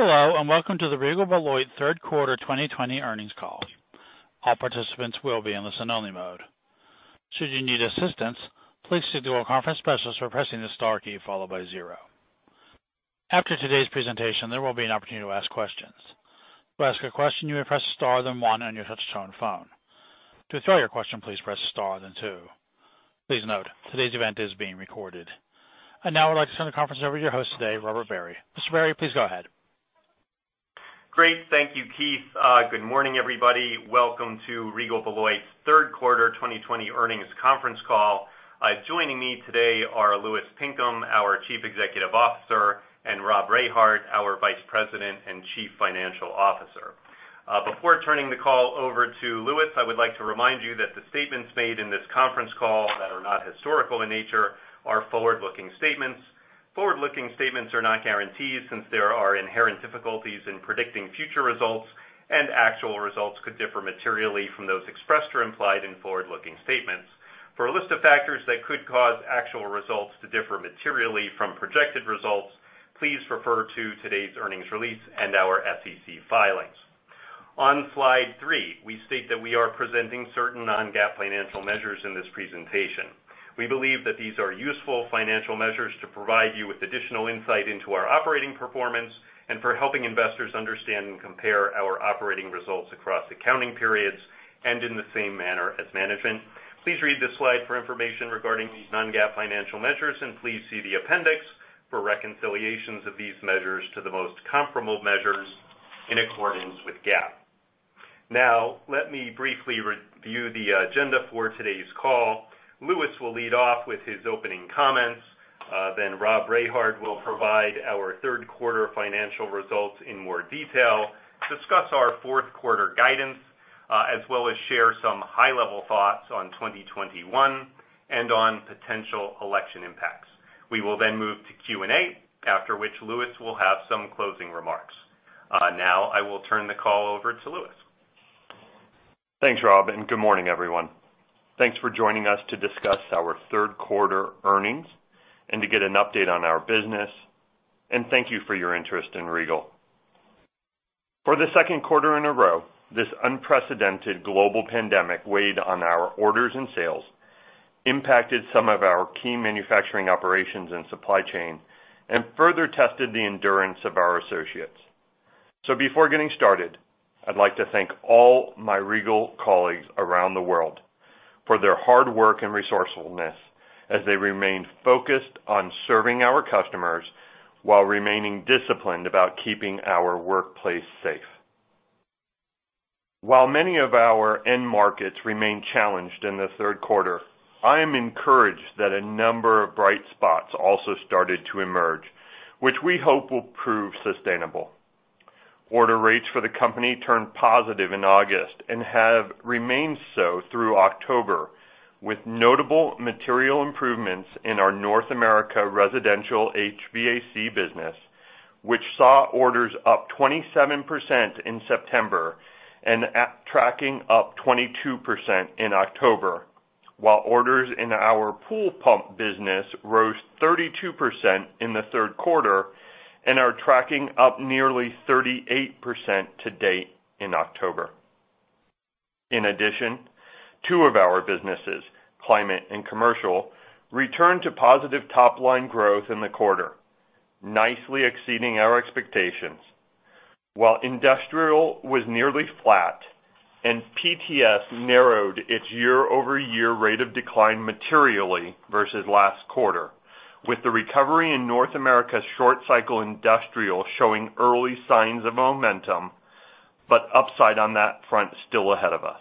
Hello, welcome to the Regal Beloit third quarter 2020 earnings call. All participants will be in listen only mode. Should you need assistance, please signal a conference specialist by pressing the star key followed by zero. After today's presentation, there will be an opportunity to ask questions. To ask a question, you may press star, then one on your touch-tone phone. To withdraw your question, please press star then two. Please note, today's event is being recorded. Now I'd like to turn the conference over to your host today, Robert Barry. Mr. Barry, please go ahead. Great. Thank you, Keith. Good morning, everybody. Welcome to Regal Beloit's third quarter 2020 earnings conference call. Joining me today are Louis Pinkham, our Chief Executive Officer, and Rob Rehard, our Vice President and Chief Financial Officer. Before turning the call over to Louis, I would like to remind you that the statements made in this conference call that are not historical in nature are forward-looking statements. Forward-looking statements are not guarantees, since there are inherent difficulties in predicting future results, and actual results could differ materially from those expressed or implied in forward-looking statements. For a list of factors that could cause actual results to differ materially from projected results, please refer to today's earnings release and our SEC filings. On slide three, we state that we are presenting certain non-GAAP financial measures in this presentation. We believe that these are useful financial measures to provide you with additional insight into our operating performance and for helping investors understand and compare our operating results across accounting periods and in the same manner as management. Please read this slide for information regarding these non-GAAP financial measures, and please see the appendix for reconciliations of these measures to the most comparable measures in accordance with GAAP. Let me briefly review the agenda for today's call. Louis will lead off with his opening comments. Then Rob Rehard will provide our third quarter financial results in more detail, discuss our fourth quarter guidance, as well as share some high-level thoughts on 2021 and on potential election impacts. We will then move to Q&A, after which Louis will have some closing remarks. I will turn the call over to Louis. Thanks, Rob. Good morning, everyone. Thanks for joining us to discuss our third quarter earnings and to get an update on our business. Thank you for your interest in Regal. For the second quarter in a row, this unprecedented global pandemic weighed on our orders and sales, impacted some of our key manufacturing operations and supply chain, further tested the endurance of our associates. Before getting started, I'd like to thank all my Regal colleagues around the world for their hard work and resourcefulness as they remain focused on serving our customers while remaining disciplined about keeping our workplace safe. While many of our end markets remained challenged in the third quarter, I am encouraged that a number of bright spots also started to emerge, which we hope will prove sustainable. Order rates for the company turned positive in August and have remained so through October, with notable material improvements in our North America residential HVAC business, which saw orders up 27% in September and tracking up 22% in October, while orders in our pool pump business rose 32% in the third quarter and are tracking up nearly 38% to date in October. In addition, two of our businesses, Climate and Commercial, returned to positive top-line growth in the quarter, nicely exceeding our expectations. While Industrial was nearly flat and PTS narrowed its year-over-year rate of decline materially versus last quarter, with the recovery in North America's short cycle industrial showing early signs of momentum, but upside on that front still ahead of us.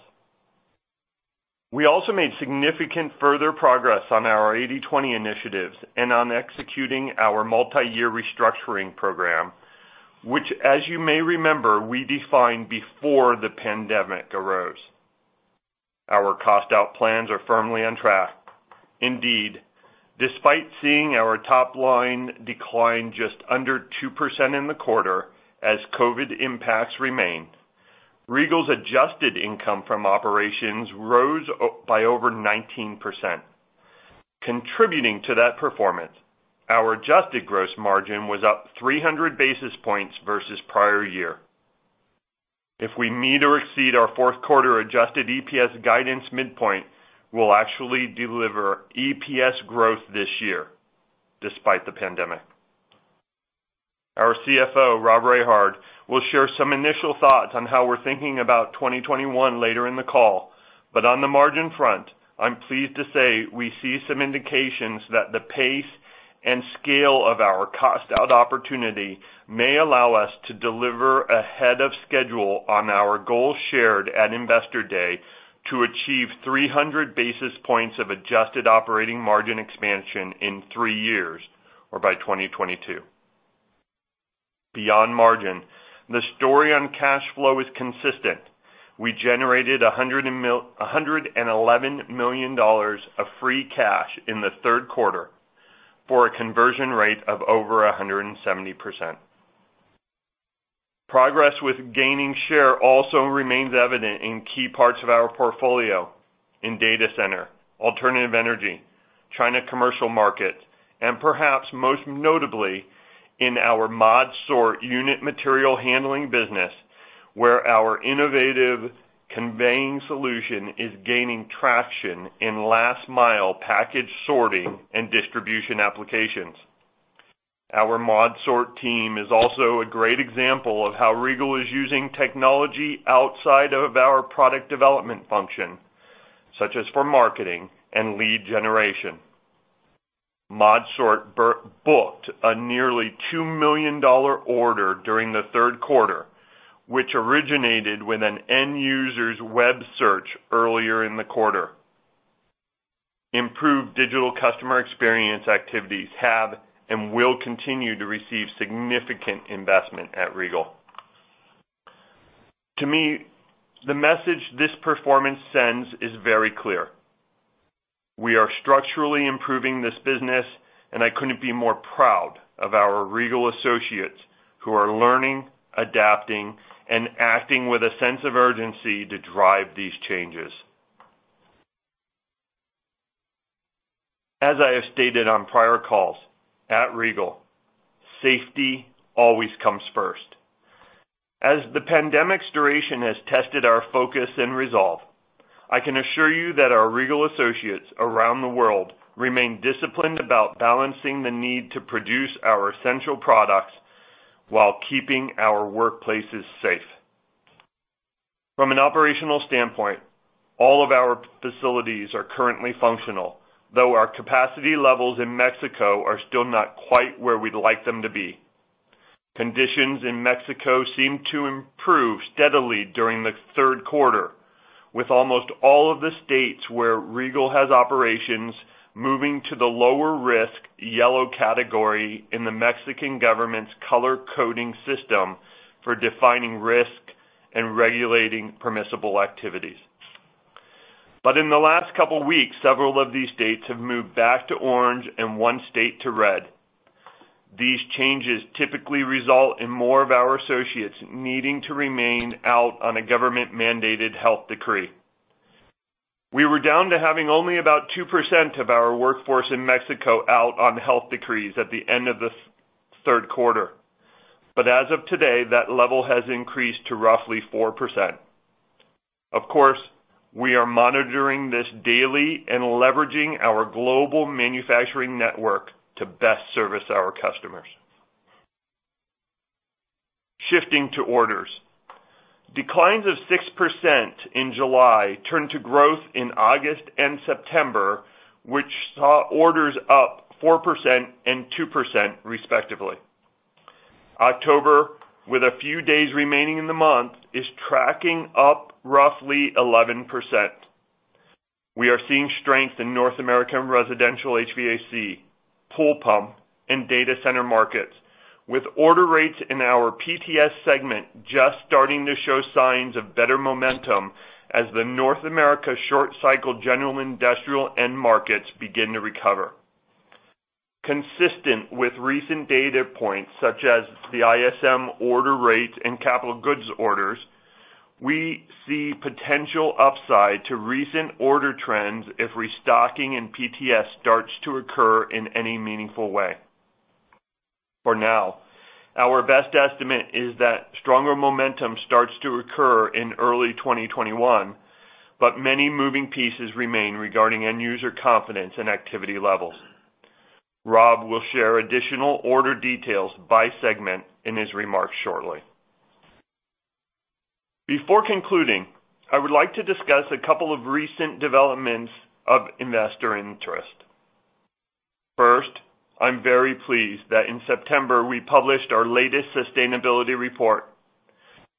We also made significant further progress on our 80/20 initiatives and on executing our multi-year restructuring program, which, as you may remember, we defined before the pandemic arose. Our cost out plans are firmly on track. Indeed, despite seeing our top line decline just under 2% in the quarter as COVID impacts remain, Regal's adjusted income from operations rose by over 19%. Contributing to that performance, our adjusted gross margin was up 300 basis points versus prior year. If we meet or exceed our fourth quarter adjusted EPS guidance midpoint, we'll actually deliver EPS growth this year despite the pandemic. Our CFO, Rob Rehard, will share some initial thoughts on how we're thinking about 2021 later in the call, but on the margin front, I'm pleased to say we see some indications that the pace and scale of our cost out opportunity may allow us to deliver ahead of schedule on our goal shared at Investor Day to achieve 300 basis points of adjusted operating margin expansion in three years or by 2022. Beyond margin, the story on cash flow is consistent. We generated $111 million of free cash in the third quarter for a conversion rate of over 170%. Progress with gaining share also remains evident in key parts of our portfolio in data center, alternative energy, China commercial markets, and perhaps most notably in our ModSort unit material handling business, where our innovative conveying solution is gaining traction in last mile package sorting and distribution applications. Our ModSort team is also a great example of how Regal is using technology outside of our product development function, such as for marketing and lead generation. ModSort booked a nearly $2 million order during the third quarter, which originated with an end user's web search earlier in the quarter. Improved digital customer experience activities have and will continue to receive significant investment at Regal. To me, the message this performance sends is very clear. We are structurally improving this business, and I couldn't be more proud of our Regal associates who are learning, adapting, and acting with a sense of urgency to drive these changes. As I have stated on prior calls, at Regal, safety always comes first. As the pandemic's duration has tested our focus and resolve, I can assure you that our Regal associates around the world remain disciplined about balancing the need to produce our essential products while keeping our workplaces safe. From an operational standpoint, all of our facilities are currently functional, though our capacity levels in Mexico are still not quite where we'd like them to be. Conditions in Mexico seemed to improve steadily during the third quarter, with almost all of the states where Regal has operations moving to the lower risk yellow category in the Mexican government's color coding system for defining risk and regulating permissible activities. In the last couple weeks, several of these states have moved back to orange and one state to red. These changes typically result in more of our associates needing to remain out on a government-mandated health decree. We were down to having only about 2% of our workforce in Mexico out on health decrees at the end of the third quarter. As of today, that level has increased to roughly 4%. Of course, we are monitoring this daily and leveraging our global manufacturing network to best service our customers. Shifting to orders. Declines of 6% in July turned to growth in August and September, which saw orders up 4% and 2% respectively. October, with a few days remaining in the month, is tracking up roughly 11%. We are seeing strength in North American residential HVAC, pool pump, and data center markets with order rates in our PTS segment just starting to show signs of better momentum as the North America short cycle general industrial end markets begin to recover. Consistent with recent data points such as the ISM order rates and capital goods orders, we see potential upside to recent order trends if restocking in PTS starts to occur in any meaningful way. For now, our best estimate is that stronger momentum starts to occur in early 2021, but many moving pieces remain regarding end user confidence and activity levels. Rob will share additional order details by segment in his remarks shortly. Before concluding, I would like to discuss a couple of recent developments of investor interest. First, I'm very pleased that in September, we published our latest sustainability report.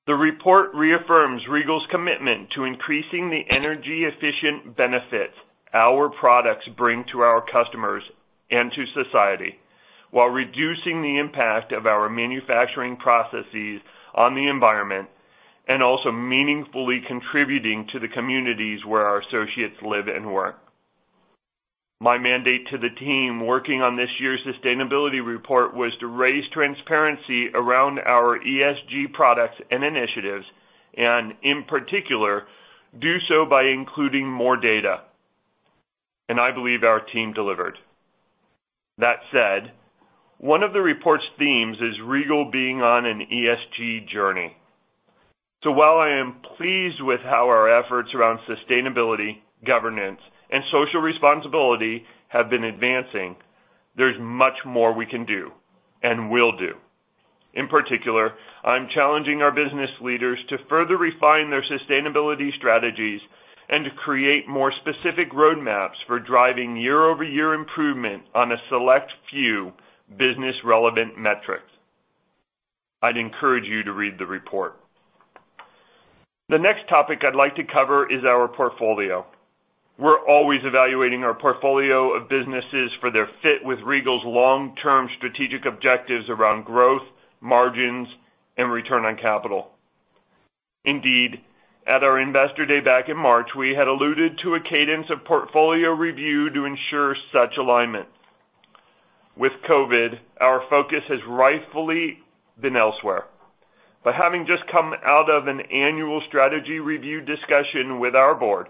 The report reaffirms Regal's commitment to increasing the energy efficient benefits our products bring to our customers and to society while reducing the impact of our manufacturing processes on the environment, and also meaningfully contributing to the communities where our associates live and work. My mandate to the team working on this year's sustainability report was to raise transparency around our ESG products and initiatives, and in particular, do so by including more data. I believe our team delivered. That said, one of the report's themes is Regal being on an ESG journey. While I am pleased with how our efforts around sustainability, governance, and social responsibility have been advancing, there's much more we can do and will do. In particular, I'm challenging our business leaders to further refine their sustainability strategies and to create more specific roadmaps for driving year-over-year improvement on a select few business relevant metrics. I'd encourage you to read the report. The next topic I'd like to cover is our portfolio. We're always evaluating our portfolio of businesses for their fit with Regal's long-term strategic objectives around growth, margins, and return on capital. Indeed, at our Investor Day back in March, we had alluded to a cadence of portfolio review to ensure such alignment. With COVID, our focus has rightfully been elsewhere. Having just come out of an annual strategy review discussion with our board,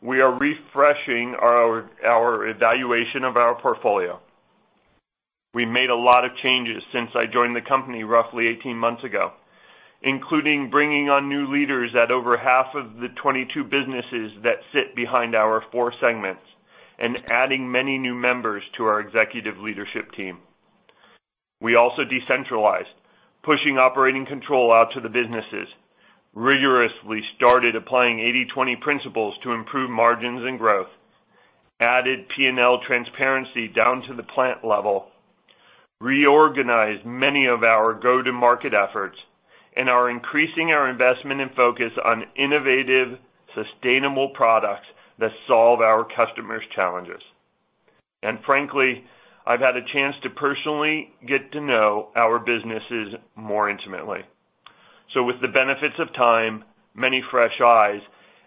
we are refreshing our evaluation of our portfolio. We made a lot of changes since I joined the company roughly 18 months ago, including bringing on new leaders at over half of the 22 businesses that sit behind our four segments, and adding many new members to our executive leadership team. We also decentralized, pushing operating control out to the businesses, rigorously started applying 80/20 principles to improve margins and growth, added P&L transparency down to the plant level, reorganized many of our go-to-market efforts, and are increasing our investment and focus on innovative, sustainable products that solve our customers' challenges. Frankly, I've had a chance to personally get to know our businesses more intimately. With the benefits of time, many fresh eyes,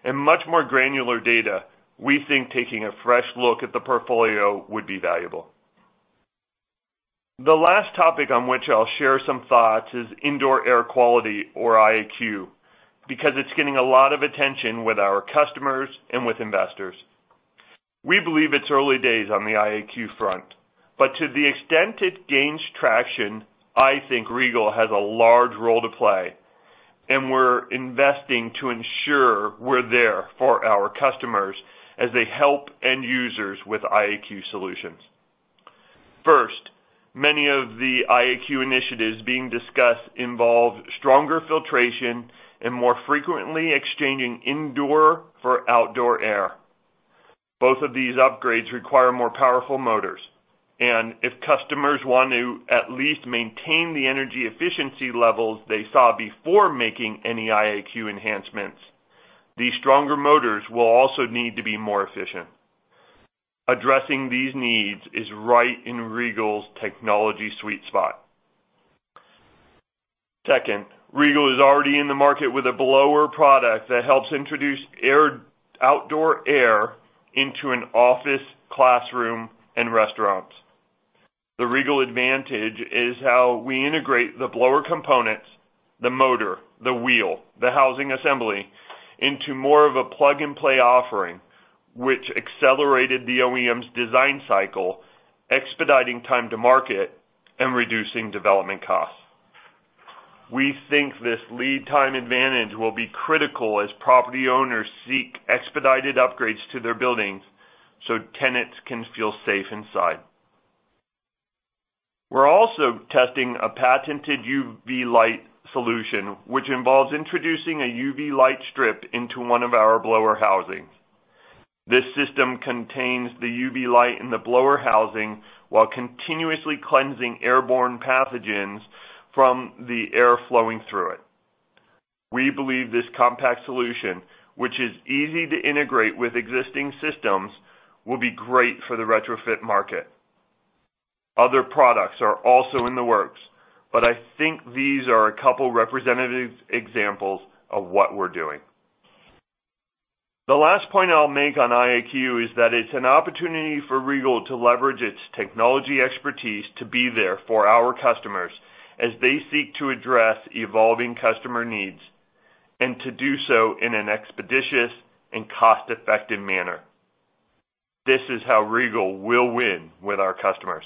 and much more granular data, we think taking a fresh look at the portfolio would be valuable. The last topic on which I'll share some thoughts is indoor air quality, or IAQ, because it's getting a lot of attention with our customers and with investors. We believe it's early days on the IAQ front, but to the extent it gains traction, I think Regal has a large role to play, and we're investing to ensure we're there for our customers as they help end users with IAQ solutions. First, many of the IAQ initiatives being discussed involve stronger filtration and more frequently exchanging indoor for outdoor air. Both of these upgrades require more powerful motors, and if customers want to at least maintain the energy efficiency levels they saw before making any IAQ enhancements, these stronger motors will also need to be more efficient. Second, Regal is already in the market with a blower product that helps introduce outdoor air into an office, classroom, and restaurants. The Regal advantage is how we integrate the blower components, the motor, the wheel, the housing assembly, into more of a plug-and-play offering, which accelerated the OEM's design cycle, expediting time to market and reducing development costs. We think this lead time advantage will be critical as property owners seek expedited upgrades to their buildings so tenants can feel safe inside. We're also testing a patented UV light solution, which involves introducing a UV light strip into one of our blower housings. This system contains the UV light in the blower housing while continuously cleansing airborne pathogens from the air flowing through it. We believe this compact solution, which is easy to integrate with existing systems, will be great for the retrofit market. Other products are also in the works, but I think these are a couple representative examples of what we're doing. The last point I'll make on IAQ is that it's an opportunity for Regal to leverage its technology expertise to be there for our customers as they seek to address evolving customer needs, and to do so in an expeditious and cost-effective manner. This is how Regal will win with our customers.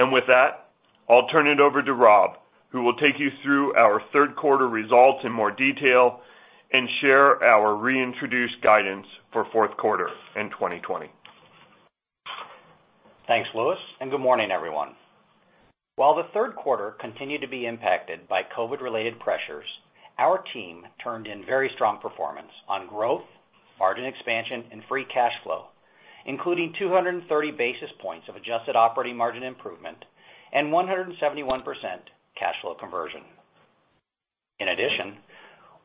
With that, I'll turn it over to Rob, who will take you through our third quarter results in more detail and share our reintroduced guidance for fourth quarter and 2020. Thanks, Louis, and good morning, everyone. While the third quarter continued to be impacted by COVID-related pressures, our team turned in very strong performance on growth, margin expansion, and free cash flow, including 230 basis points of adjusted operating margin improvement and 171% cash flow conversion. In addition,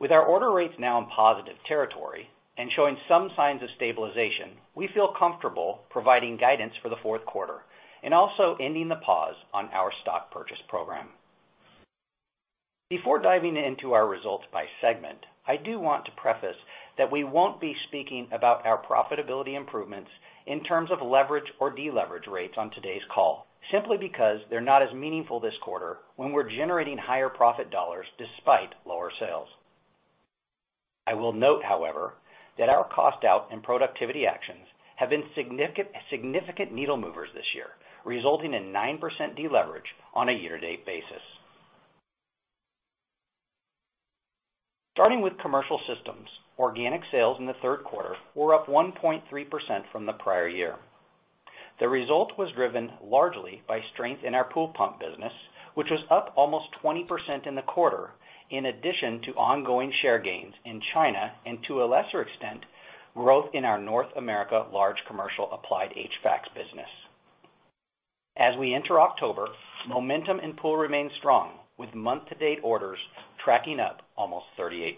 with our order rates now in positive territory and showing some signs of stabilization, we feel comfortable providing guidance for the fourth quarter and also ending the pause on our stock purchase program. Before diving into our results by segment, I do want to preface that we won't be speaking about our profitability improvements in terms of leverage or deleverage rates on today's call, simply because they're not as meaningful this quarter when we're generating higher profit dollars despite lower sales. I will note, however, that our cost out and productivity actions have been significant needle movers this year, resulting in 9% deleverage on a year-to-date basis. Starting with Commercial Systems, organic sales in the third quarter were up 1.3% from the prior year. The result was driven largely by strength in our pool pump business, which was up almost 20% in the quarter, in addition to ongoing share gains in China and, to a lesser extent, growth in our North America large commercial applied HVAC business. As we enter October, momentum in pool remains strong, with month-to-date orders tracking up almost 38%.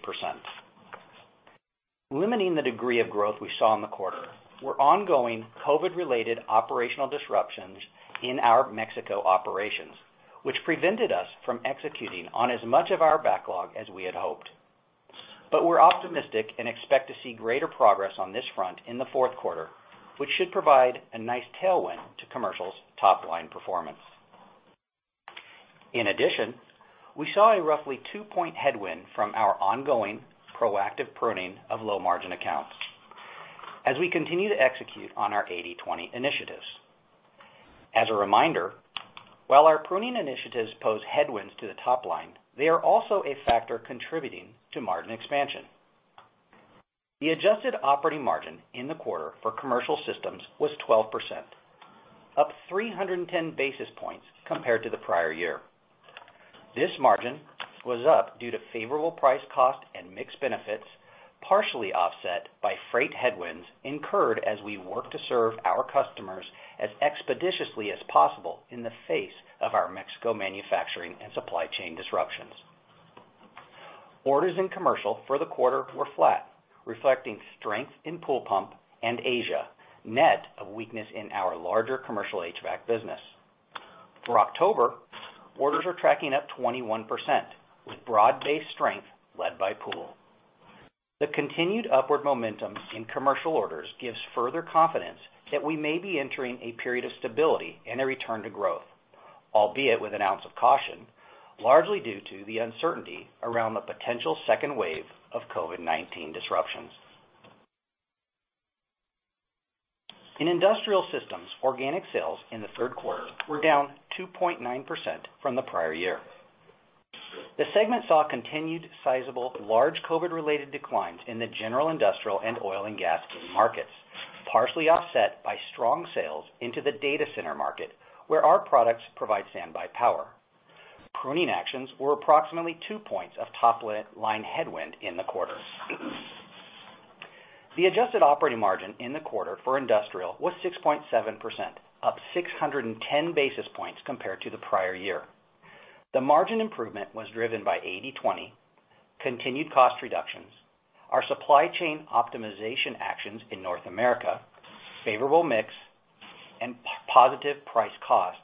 Limiting the degree of growth we saw in the quarter were ongoing COVID-related operational disruptions in our Mexico operations, which prevented us from executing on as much of our backlog as we had hoped. We're optimistic and expect to see greater progress on this front in the fourth quarter, which should provide a nice tailwind to Commercial Systems' top-line performance. In addition, we saw a roughly two-point headwind from our ongoing proactive pruning of low-margin accounts as we continue to execute on our 80/20 initiatives. As a reminder, while our pruning initiatives pose headwinds to the top line, they are also a factor contributing to margin expansion. The adjusted operating margin in the quarter for Commercial Systems was 12%, up 310 basis points compared to the prior year. This margin was up due to favorable price, cost, and mix benefits, partially offset by freight headwinds incurred as we work to serve our customers as expeditiously as possible in the face of our Mexico manufacturing and supply chain disruptions. Orders in Commercial for the quarter were flat, reflecting strength in pool pump and Asia, net of weakness in our larger commercial HVAC business. For October, orders are tracking up 21%, with broad-based strength led by pool. The continued upward momentum in commercial orders gives further confidence that we may be entering a period of stability and a return to growth, albeit with an ounce of caution, largely due to the uncertainty around the potential second wave of COVID-19 disruptions. In Industrial Systems, organic sales in the third quarter were down 2.9% from the prior year. The segment saw continued sizable large COVID-related declines in the general industrial and oil and gas markets, partially offset by strong sales into the data center market, where our products provide standby power. Pruning actions were approximately two points of top-line headwind in the quarter. The adjusted operating margin in the quarter for Industrial was 6.7%, up 610 basis points compared to the prior year. The margin improvement was driven by 80/20, continued cost reductions, our supply chain optimization actions in North America, favorable mix, and positive price cost,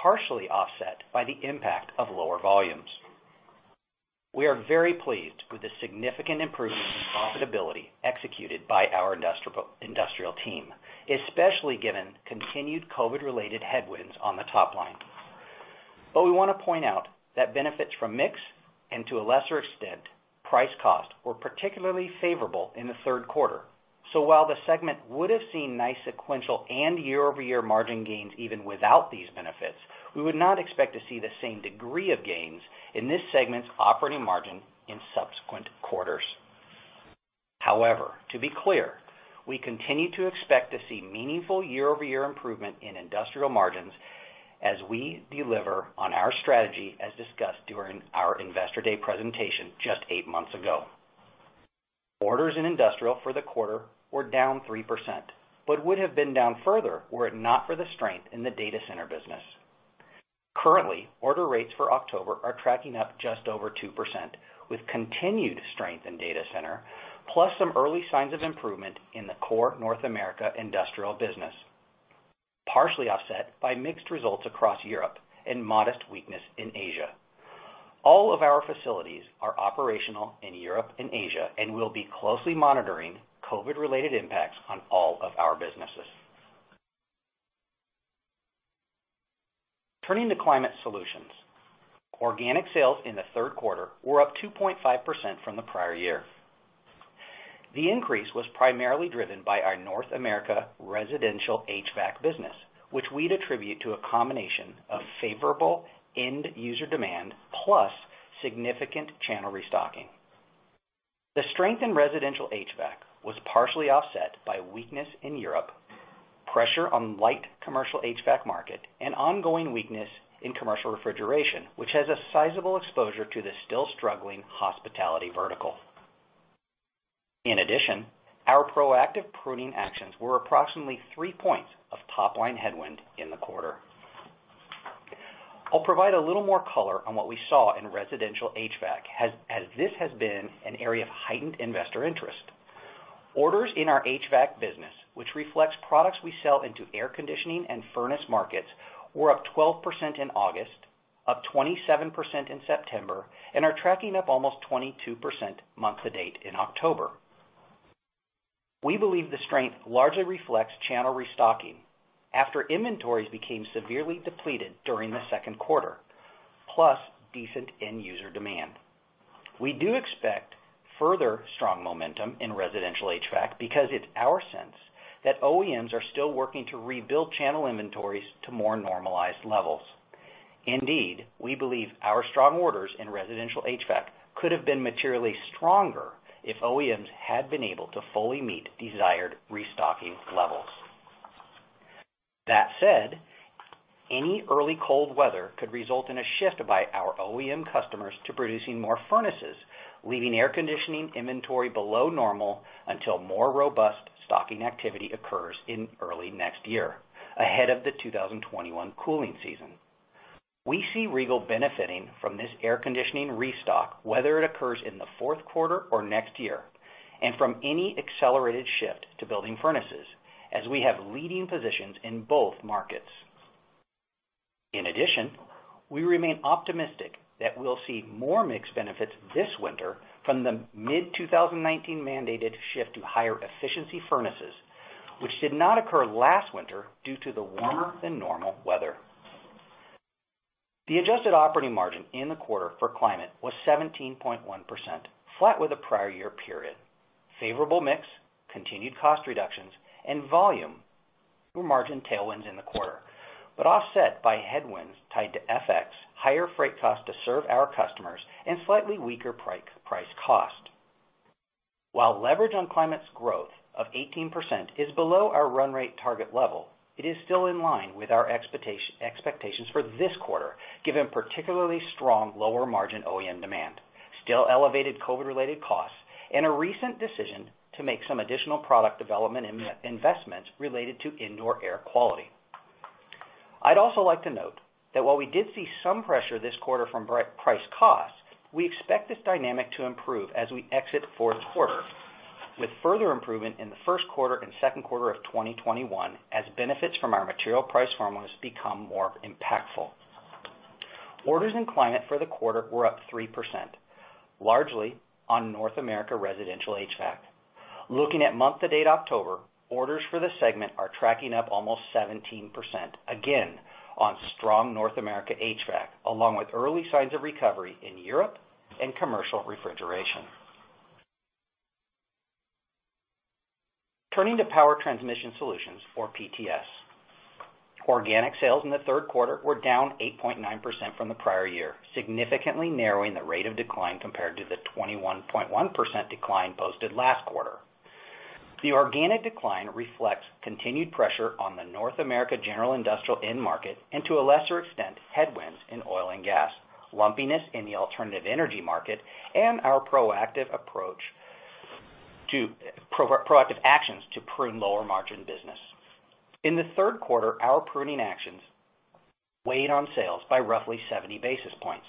partially offset by the impact of lower volumes. We are very pleased with the significant improvement in profitability executed by our industrial team, especially given continued COVID-related headwinds on the top line. We want to point out that benefits from mix, and to a lesser extent, price cost, were particularly favorable in the third quarter. While the segment would have seen nice sequential and year-over-year margin gains even without these benefits, we would not expect to see the same degree of gains in this segment's operating margin in subsequent quarters. To be clear, we continue to expect to see meaningful year-over-year improvement in Industrial margins as we deliver on our strategy, as discussed during our Investor Day presentation just eight months ago. Orders in Industrial for the quarter were down 3%, but would have been down further were it not for the strength in the data center business. Currently, order rates for October are tracking up just over 2%, with continued strength in data center, plus some early signs of improvement in the core North America industrial business, partially offset by mixed results across Europe and modest weakness in Asia. All of our facilities are operational in Europe and Asia, and we'll be closely monitoring COVID-related impacts on all of our businesses. Turning to Climate Solutions. Organic sales in the third quarter were up 2.5% from the prior year. The increase was primarily driven by our North America residential HVAC business, which we'd attribute to a combination of favorable end-user demand plus significant channel restocking. The strength in residential HVAC was partially offset by weakness in Europe, pressure on light commercial HVAC market, and ongoing weakness in commercial refrigeration, which has a sizable exposure to the still-struggling hospitality vertical. In addition, our proactive pruning actions were approximately three points of top-line headwind in the quarter. I'll provide a little more color on what we saw in residential HVAC, as this has been an area of heightened investor interest. Orders in our HVAC business, which reflects products we sell into air conditioning and furnace markets, were up 12% in August, up 27% in September, and are tracking up almost 22% month-to-date in October. We believe the strength largely reflects channel restocking after inventories became severely depleted during the second quarter, plus decent end-user demand. We do expect further strong momentum in residential HVAC because it's our sense that OEMs are still working to rebuild channel inventories to more normalized levels. Indeed, we believe our strong orders in residential HVAC could have been materially stronger if OEMs had been able to fully meet desired restocking levels. That said, any early cold weather could result in a shift by our OEM customers to producing more furnaces, leaving air conditioning inventory below normal until more robust stocking activity occurs in early next year, ahead of the 2021 cooling season. We see Regal benefiting from this air conditioning restock, whether it occurs in the fourth quarter or next year, and from any accelerated shift to building furnaces, as we have leading positions in both markets. In addition, we remain optimistic that we'll see more mix benefits this winter from the mid-2019 mandated shift to higher efficiency furnaces, which did not occur last winter due to the warmer than normal weather. The adjusted operating margin in the quarter for Climate was 17.1%, flat with the prior year period. Favorable mix, continued cost reductions, and volume were margin tailwinds in the quarter, but offset by headwinds tied to FX, higher freight costs to serve our customers, and slightly weaker price cost. While leverage on Climate's growth of 18% is below our run rate target level, it is still in line with our expectations for this quarter, given particularly strong lower margin OEM demand, still elevated COVID-related costs, and a recent decision to make some additional product development investments related to indoor air quality. I'd also like to note that while we did see some pressure this quarter from price cost, we expect this dynamic to improve as we exit fourth quarter, with further improvement in the first quarter and second quarter of 2021, as benefits from our material price formulas become more impactful. Orders in Climate for the quarter were up 3%, largely on North America residential HVAC. Looking at month-to-date October, orders for the segment are tracking up almost 17%, again on strong North America HVAC, along with early signs of recovery in Europe and commercial refrigeration. Turning to Power Transmission Solutions, or PTS. Organic sales in the third quarter were down 8.9% from the prior year, significantly narrowing the rate of decline compared to the 21.1% decline posted last quarter. The organic decline reflects continued pressure on the North America general industrial end market, and to a lesser extent, headwinds in oil and gas, lumpiness in the alternative energy market, and our proactive actions to prune lower margin business. In the third quarter, our pruning actions weighed on sales by roughly 70 basis points.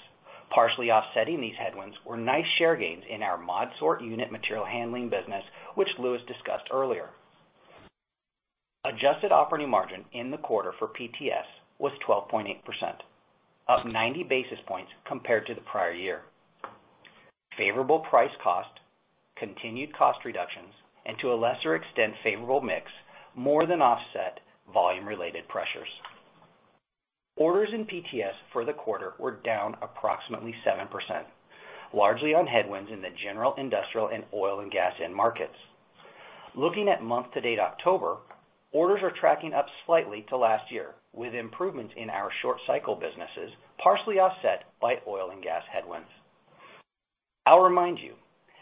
Partially offsetting these headwinds were nice share gains in our ModSort unit material handling business, which Louis discussed earlier. Adjusted operating margin in the quarter for PTS was 12.8%, up 90 basis points compared to the prior year. Favorable price cost, continued cost reductions, and to a lesser extent, favorable mix, more than offset volume-related pressures. Orders in PTS for the quarter were down approximately 7%, largely on headwinds in the general industrial and oil and gas end markets. Looking at month-to-date October, orders are tracking up slightly to last year, with improvements in our short cycle businesses partially offset by oil and gas headwinds. I'll remind you,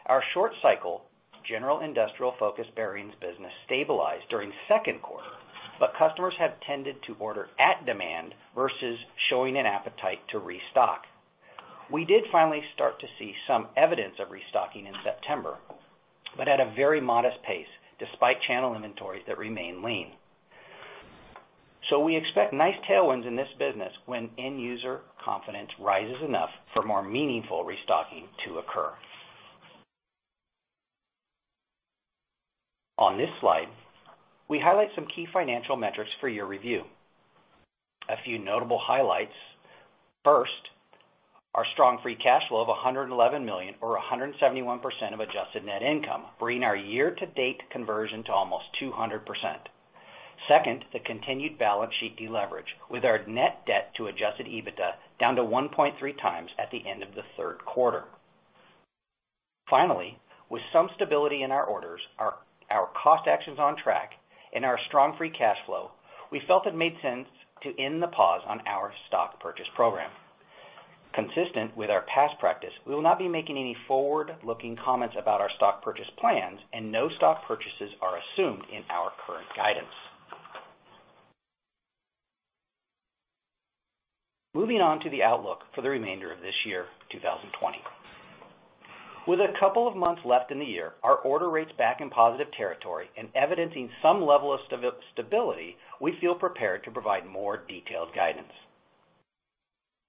our short cycle general industrial-focused bearings business stabilized during the second quarter, customers have tended to order at demand versus showing an appetite to restock. We did finally start to see some evidence of restocking in September, at a very modest pace, despite channel inventories that remain lean. We expect nice tailwinds in this business when end-user confidence rises enough for more meaningful restocking to occur. On this slide, we highlight some key financial metrics for your review. A few notable highlights. First, our strong free cash flow of $111 million, or 171% of adjusted net income, bringing our year-to-date conversion to almost 200%. Second, the continued balance sheet deleverage, with our net debt to adjusted EBITDA down to 1.3 times at the end of the third quarter. Finally, with some stability in our orders, our cost actions on track, and our strong free cash flow, we felt it made sense to end the pause on our stock purchase program. Consistent with our past practice, we will not be making any forward-looking comments about our stock purchase plans, and no stock purchases are assumed in our current guidance. Moving on to the outlook for the remainder of this year, 2020. With a couple of months left in the year, our order rates back in positive territory, and evidencing some level of stability, we feel prepared to provide more detailed guidance.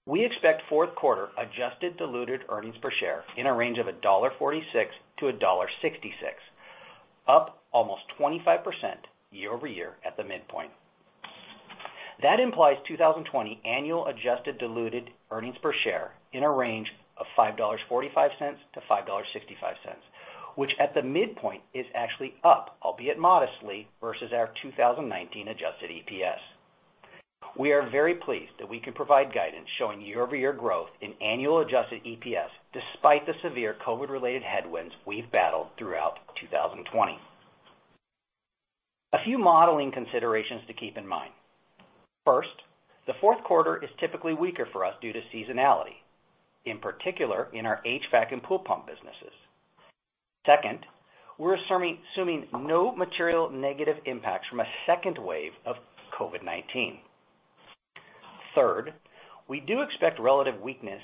We expect fourth quarter adjusted diluted earnings per share in a range of $1.46-$1.66, up almost 25% year-over-year at the midpoint. That implies 2020 annual adjusted diluted earnings per share in a range of $5.45-$5.65, which at the midpoint is actually up, albeit modestly, versus our 2019 adjusted EPS. We are very pleased that we can provide guidance showing year-over-year growth in annual adjusted EPS, despite the severe COVID-related headwinds we've battled throughout 2020. A few modeling considerations to keep in mind. First, the fourth quarter is typically weaker for us due to seasonality, in particular in our HVAC and pool pump businesses. Second, we're assuming no material negative impacts from a second wave of COVID-19. We do expect relative weakness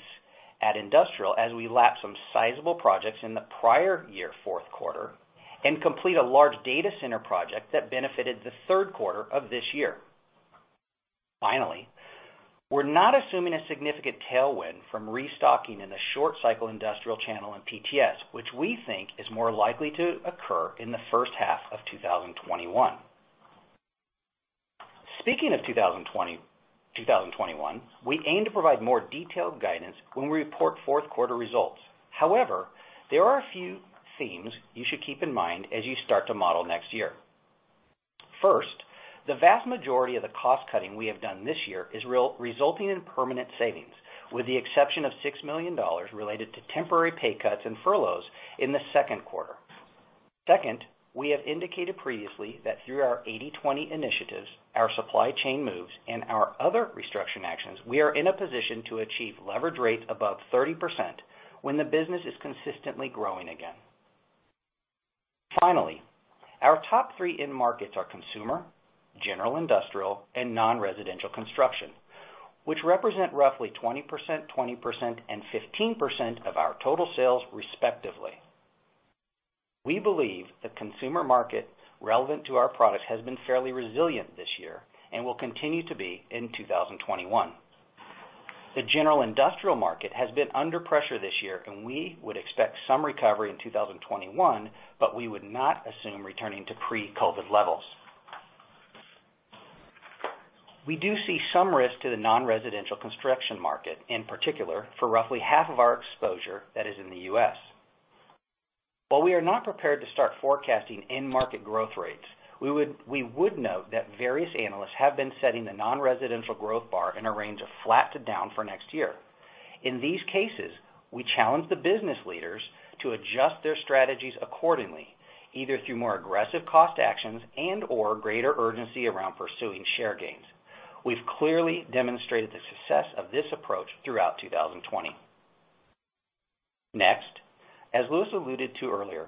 at industrial as we lap some sizable projects in the prior year fourth quarter and complete a large data center project that benefited the third quarter of this year. We're not assuming a significant tailwind from restocking in the short cycle industrial channel in PTS, which we think is more likely to occur in the first half of 2021. Speaking of 2021, we aim to provide more detailed guidance when we report fourth quarter results. There are a few themes you should keep in mind as you start to model next year. The vast majority of the cost-cutting we have done this year is resulting in permanent savings, with the exception of $6 million related to temporary pay cuts and furloughs in the second quarter. Second, we have indicated previously that through our 80/20 initiatives, our supply chain moves, and our other restructuring actions, we are in a position to achieve leverage rates above 30% when the business is consistently growing again. Finally, our top three end markets are consumer, general industrial, and non-residential construction, which represent roughly 20%, 20%, and 15% of our total sales respectively. We believe the consumer market relevant to our product has been fairly resilient this year and will continue to be in 2021. The general industrial market has been under pressure this year, and we would expect some recovery in 2021, but we would not assume returning to pre-COVID levels. We do see some risk to the non-residential construction market, in particular for roughly half of our exposure that is in the U.S. While we are not prepared to start forecasting end market growth rates, we would note that various analysts have been setting the non-residential growth bar in a range of flat to down for next year. In these cases, we challenge the business leaders to adjust their strategies accordingly, either through more aggressive cost actions and/or greater urgency around pursuing share gains. We've clearly demonstrated the success of this approach throughout 2020. Next, as Louis alluded to earlier,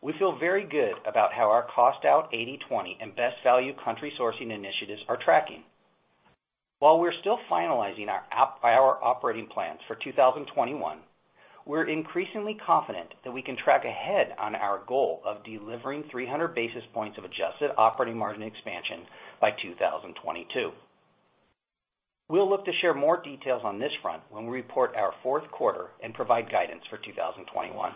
we feel very good about how our cost out 80/20 and best value country sourcing initiatives are tracking. While we're still finalizing our operating plans for 2021, we're increasingly confident that we can track ahead on our goal of delivering 300 basis points of adjusted operating margin expansion by 2022. We'll look to share more details on this front when we report our fourth quarter and provide guidance for 2021.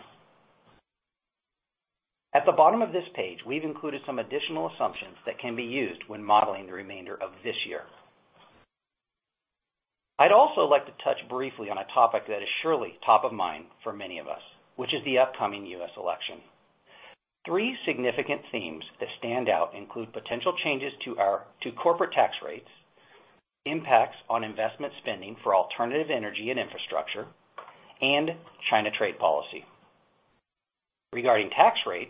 At the bottom of this page, we've included some additional assumptions that can be used when modeling the remainder of this year. I'd also like to touch briefly on a topic that is surely top of mind for many of us, which is the upcoming U.S. election. Three significant themes that stand out include potential changes to corporate tax rates, impacts on investment spending for alternative energy and infrastructure, and China trade policy. Regarding tax rate,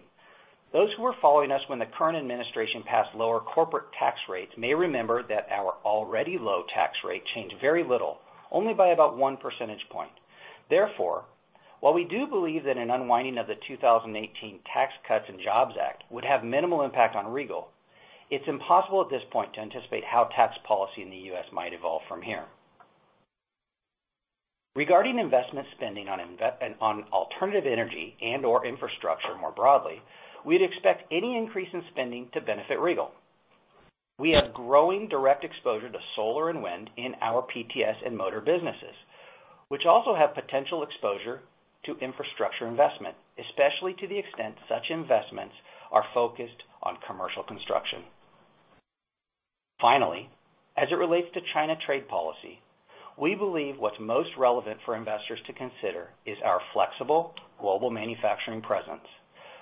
those who were following us when the current administration passed lower corporate tax rates may remember that our already low tax rate changed very little, only by about one percentage point. Therefore, while we do believe that an unwinding of the 2018 Tax Cuts and Jobs Act would have minimal impact on Regal, it's impossible at this point to anticipate how tax policy in the U.S. might evolve from here. Regarding investment spending on alternative energy and/or infrastructure more broadly, we'd expect any increase in spending to benefit Regal. We have growing direct exposure to solar and wind in our PTS and motor businesses, which also have potential exposure to infrastructure investment, especially to the extent such investments are focused on commercial construction. Finally, as it relates to China trade policy, we believe what's most relevant for investors to consider is our flexible global manufacturing presence,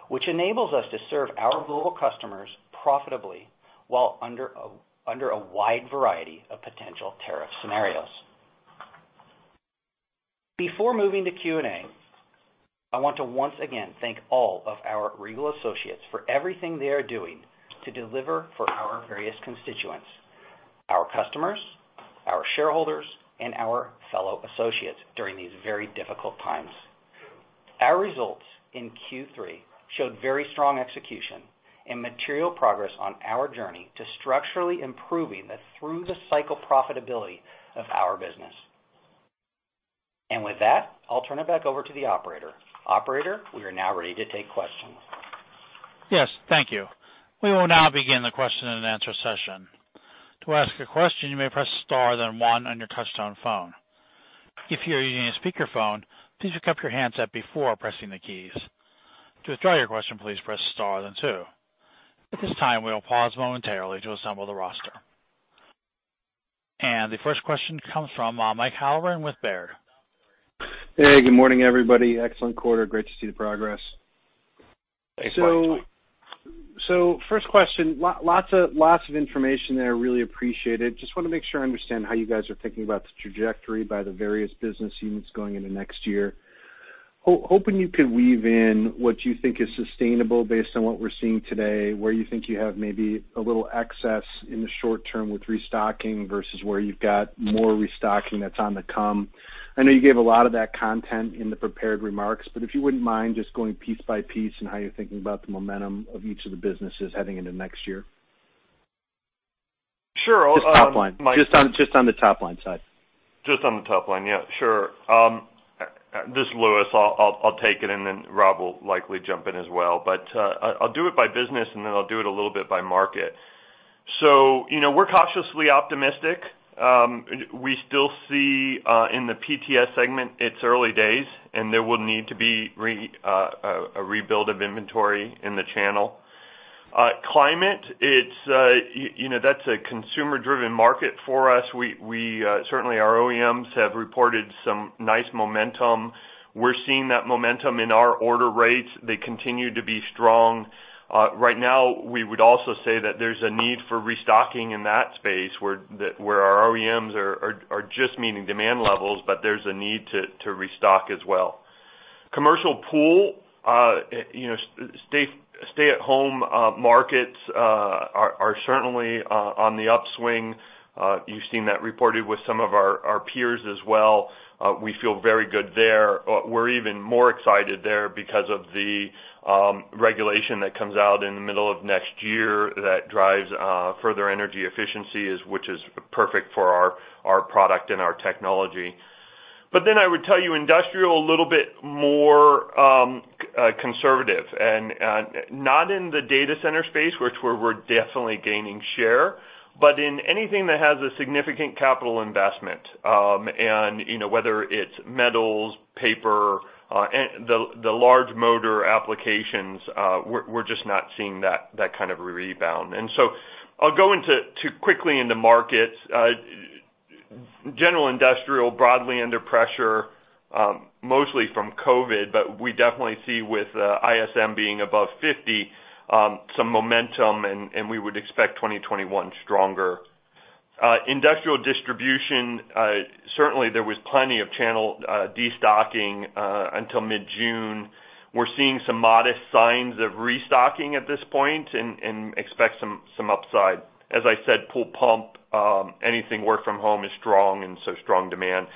which enables us to serve our global customers profitably while under a wide variety of potential tariff scenarios. Before moving to Q&A, I want to once again thank all of our Regal associates for everything they are doing to deliver for our various constituents, our customers, our shareholders, and our fellow associates during these very difficult times. Our results in Q3 showed very strong execution and material progress on our journey to structurally improving through the cycle profitability of our business. With that, I'll turn it back over to the operator. Operator, we are now ready to take questions. Yes. Thank you. We will now begin the question and answer session. To ask a question, you may press star, then one on your touchtone phone. If you are using a speakerphone, please pick up your handset before pressing the keys. To withdraw your question, please press star then two. At this time, we will pause momentarily to assemble the roster. The first question comes from Mike Halloran with Baird. Hey, good morning, everybody. Excellent quarter. Great to see the progress. Thanks, Mike. First question, lots of information there. Really appreciate it. Just want to make sure I understand how you guys are thinking about the trajectory by the various business units going into next year. Hoping you could weave in what you think is sustainable based on what we're seeing today, where you think you have maybe a little excess in the short term with restocking versus where you've got more restocking that's on the come. I know you gave a lot of that content in the prepared remarks, but if you wouldn't mind just going piece by piece on how you're thinking about the momentum of each of the businesses heading into next year. Sure. Just top line. Just on the top line side. Just on the top line. Yeah, sure. This is Louis. I'll take it, and then Rob will likely jump in as well. I'll do it by business, and then I'll do it a little bit by market. We're cautiously optimistic. We still see in the PTS segment it's early days, and there will need to be a rebuild of inventory in the channel Climate Solutions, that's a consumer-driven market for us. Certainly our OEMs have reported some nice momentum. We're seeing that momentum in our order rates. They continue to be strong. Right now, we would also say that there's a need for restocking in that space, where our OEMs are just meeting demand levels, but there's a need to restock as well. Commercial pool, stay-at-home markets are certainly on the upswing. You've seen that reported with some of our peers as well. We feel very good there. We're even more excited there because of the regulation that comes out in the middle of next year that drives further energy efficiency, which is perfect for our product and our technology. I would tell you, Industrial Systems, a little bit more conservative. Not in the data center space, which we're definitely gaining share, but in anything that has a significant capital investment. Whether it's metals, paper, the large motor applications, we're just not seeing that kind of rebound. I'll go quickly into markets. General industrial, broadly under pressure, mostly from COVID, but we definitely see with ISM being above 50, some momentum, and we would expect 2021 stronger. Industrial distribution, certainly there was plenty of channel de-stocking until mid-June. We're seeing some modest signs of restocking at this point and expect some upside. As I said, pool pump, anything work from home is strong and so strong demand.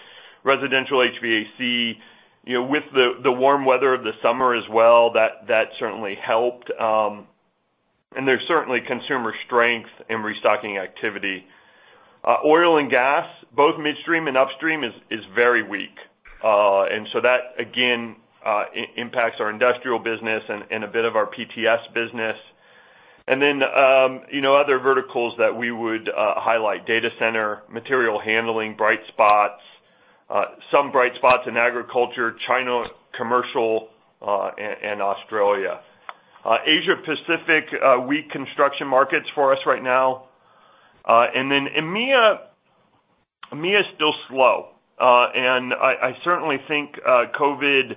Residential HVAC, with the warm weather of the summer as well, that certainly helped. There's certainly consumer strength in restocking activity. Oil and gas, both midstream and upstream is very weak. That, again, impacts our industrial business and a bit of our PTS business. Other verticals that we would highlight, data center, material handling, bright spots. Some bright spots in agriculture, China, commercial, and Australia. Asia Pacific, weak construction markets for us right now. EMEA is still slow. I certainly think COVID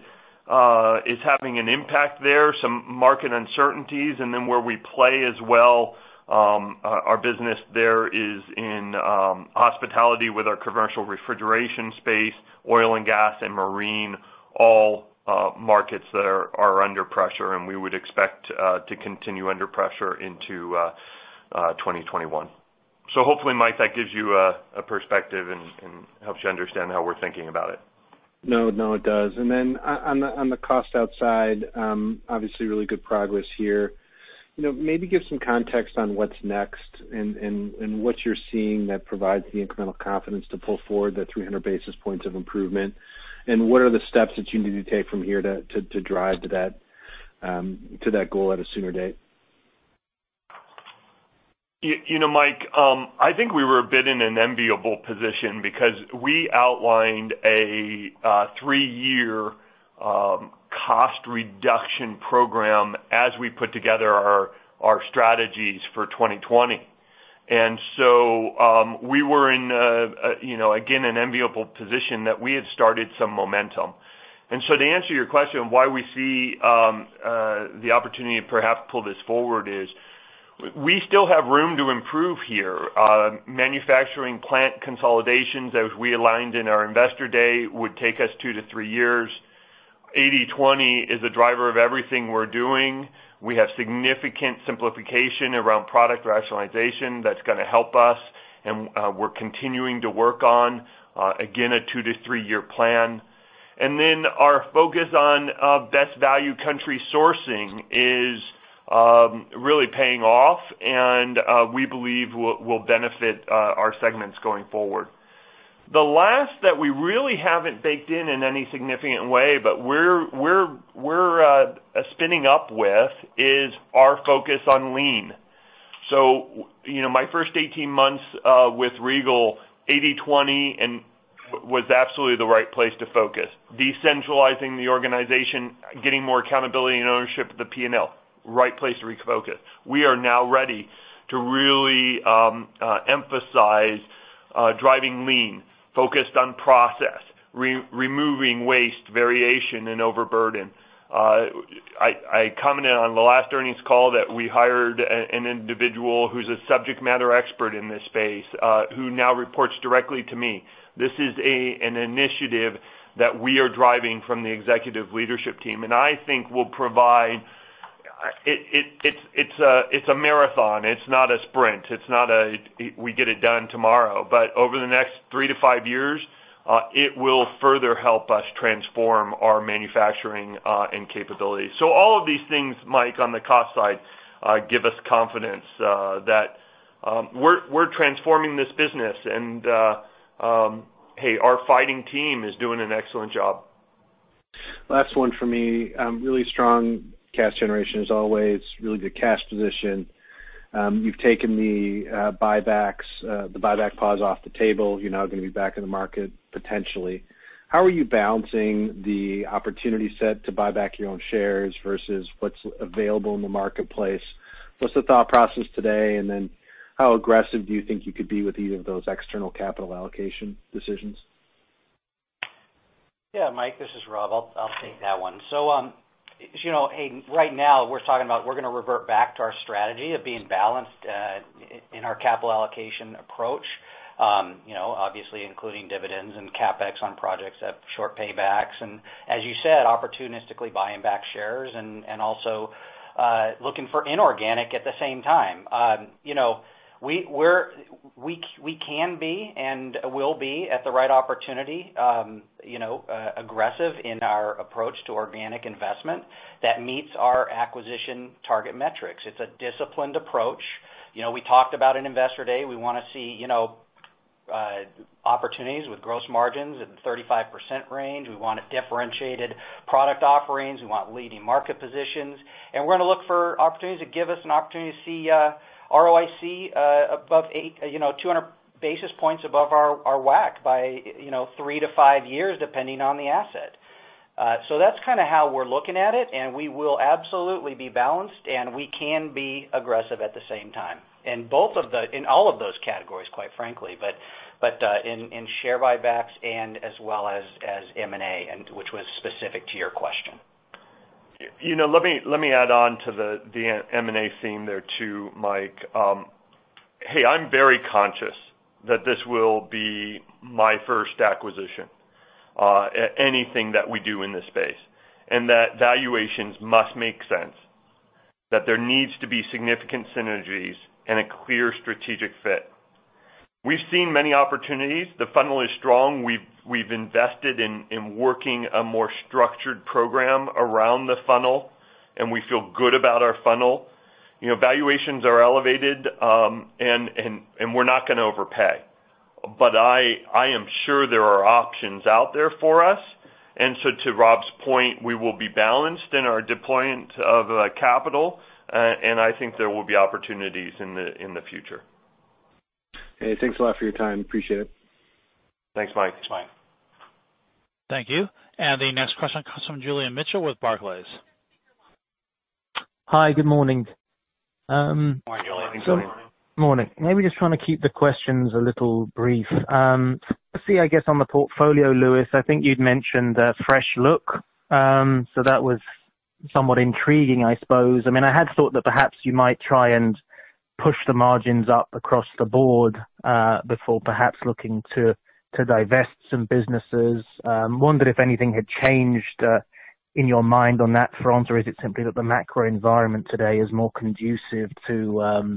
is having an impact there, some market uncertainties. Where we play as well our business there is in hospitality with our commercial refrigeration space, oil and gas, and marine, all markets that are under pressure and we would expect to continue under pressure into 2021. Hopefully, Mike, that gives you a perspective and helps you understand how we're thinking about it. No, it does. On the cost outside, obviously really good progress here. Maybe give some context on what's next and what you're seeing that provides the incremental confidence to pull forward the 300 basis points of improvement. What are the steps that you need to take from here to drive to that goal at a sooner date? Mike, I think we were a bit in an enviable position because we outlined a three-year cost reduction program as we put together our strategies for 2020. We were in, again, an enviable position that we had started some momentum. To answer your question, why we see the opportunity to perhaps pull this forward is we still have room to improve here. Manufacturing plant consolidations, as we aligned in our Investor Day, would take us two to three years. 80/20 is a driver of everything we're doing. We have significant simplification around product rationalization that's going to help us, and we're continuing to work on, again, a two to three-year plan. Our focus on best value country sourcing is really paying off and we believe will benefit our segments going forward. The last that we really haven't baked in in any significant way, but we're spinning up with, is our focus on lean. My first 18 months with Regal, 80/20 was absolutely the right place to focus, decentralizing the organization, getting more accountability and ownership of the P&L, right place to refocus. We are now ready to really emphasize driving lean, focused on process, removing waste, variation, and overburden. I commented on the last earnings call that we hired an individual who's a subject matter expert in this space who now reports directly to me. This is an initiative that we are driving from the executive leadership team. It's a marathon. It's not a sprint. It's not a we get it done tomorrow. Over the next three to five years, it will further help us transform our manufacturing and capabilities. All of these things, Mike, on the cost side give us confidence that we're transforming this business and, hey, our fighting team is doing an excellent job. Last one from me. Really strong cash generation as always. Really good cash position. You've taken the buyback pause off the table. You're now going to be back in the market, potentially. How are you balancing the opportunity set to buy back your own shares versus what's available in the marketplace? What's the thought process today? How aggressive do you think you could be with either of those external capital allocation decisions? Yeah, Mike, this is Rob. I'll take that one. Halloran, right now we're talking about we're going to revert back to our strategy of being balanced in our capital allocation approach. Obviously including dividends and CapEx on projects that have short paybacks and, as you said, opportunistically buying back shares and also looking for inorganic at the same time. We can be and will be, at the right opportunity, aggressive in our approach to organic investment that meets our acquisition target metrics. It's a disciplined approach. We talked about in Investor Day, we want to see opportunities with gross margins in 35% range. We want differentiated product offerings. We want leading market positions, we're going to look for opportunities that give us an opportunity to see ROIC 200 basis points above our WACC by three to five years, depending on the asset. That's kind of how we're looking at it, and we will absolutely be balanced, and we can be aggressive at the same time. In all of those categories, quite frankly, but in share buybacks and as well as M&A, which was specific to your question. Let me add on to the M&A theme there too, Mike. Hey, I'm very conscious that this will be my first acquisition, anything that we do in this space, and that valuations must make sense, that there needs to be significant synergies and a clear strategic fit. We've seen many opportunities. The funnel is strong. We've invested in working a more structured program around the funnel, and we feel good about our funnel. Valuations are elevated, and we're not going to overpay. I am sure there are options out there for us. To Rob's point, we will be balanced in our deployment of capital, and I think there will be opportunities in the future. Hey, thanks a lot for your time. Appreciate it. Thanks, Mike. Thanks, Mike. Thank you. The next question comes from Julian Mitchell with Barclays. Hi, good morning. Morning, Julian. Morning. Morning. Maybe just trying to keep the questions a little brief. Let's see, I guess on the portfolio, Louis, I think you'd mentioned a fresh look. That was somewhat intriguing, I suppose. I had thought that perhaps you might try and push the margins up across the board, before perhaps looking to divest some businesses. Wonder if anything had changed in your mind on that front, or is it simply that the macro environment today is more conducive to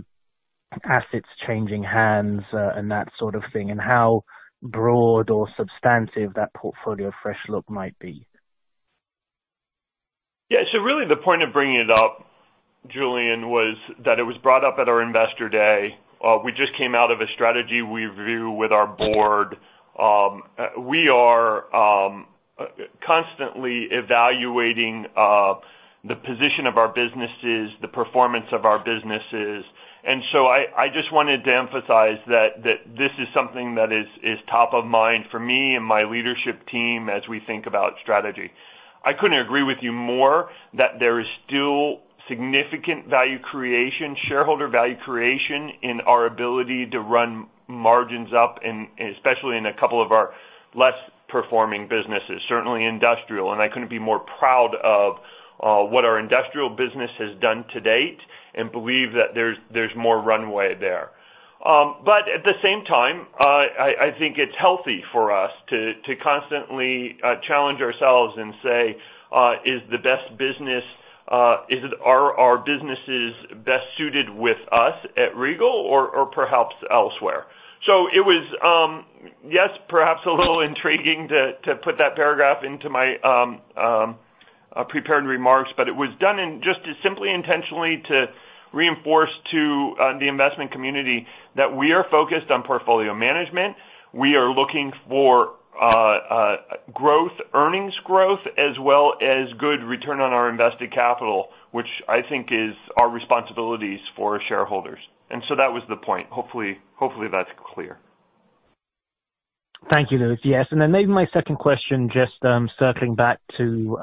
assets changing hands, and that sort of thing, and how broad or substantive that portfolio fresh look might be? Really the point of bringing it up, Julian, was that it was brought up at our Investor Day. We just came out of a strategy review with our board. We are constantly evaluating the position of our businesses, the performance of our businesses. I just wanted to emphasize that this is something that is top of mind for me and my leadership team as we think about strategy. I couldn't agree with you more that there is still significant shareholder value creation in our ability to run margins up, and especially in a couple of our less performing businesses, certainly industrial, and I couldn't be more proud of what our industrial business has done to date and believe that there's more runway there. At the same time, I think it's healthy for us to constantly challenge ourselves and say, "Are our businesses best suited with us at Regal or perhaps elsewhere?" It was, yes, perhaps a little intriguing to put that paragraph into my prepared remarks, but it was done in just as simply intentionally to reinforce to the investment community that we are focused on portfolio management. We are looking for earnings growth as well as good Return on Invested Capital, which I think is our responsibilities for shareholders. That was the point. Hopefully, that's clear. Thank you, Louis. Yes. Then maybe my second question, just circling back to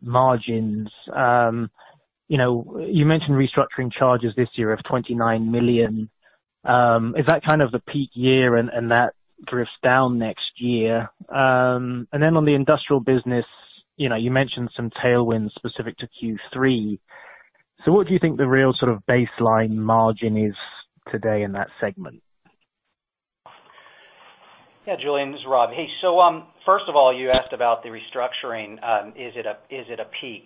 margins. You mentioned restructuring charges this year of $29 million. Is that kind of the peak year and that drifts down next year? Then on the Industrial Systems, you mentioned some tailwinds specific to Q3. What do you think the real sort of baseline margin is today in that segment? Yeah, Julian, this is Rob. Hey, first of all, you asked about the restructuring. Is it a peak?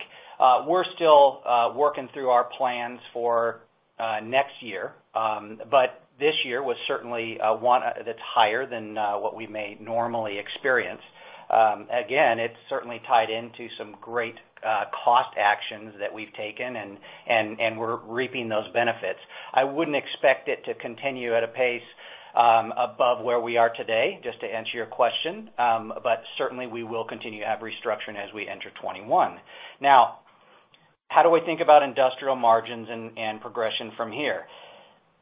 We're still working through our plans for next year. This year was certainly one that's higher than what we may normally experience. Again, it's certainly tied into some great cost actions that we've taken, and we're reaping those benefits. I wouldn't expect it to continue at a pace above where we are today, just to answer your question. Certainly, we will continue to have restructuring as we enter 2021. How do we think about industrial margins and progression from here?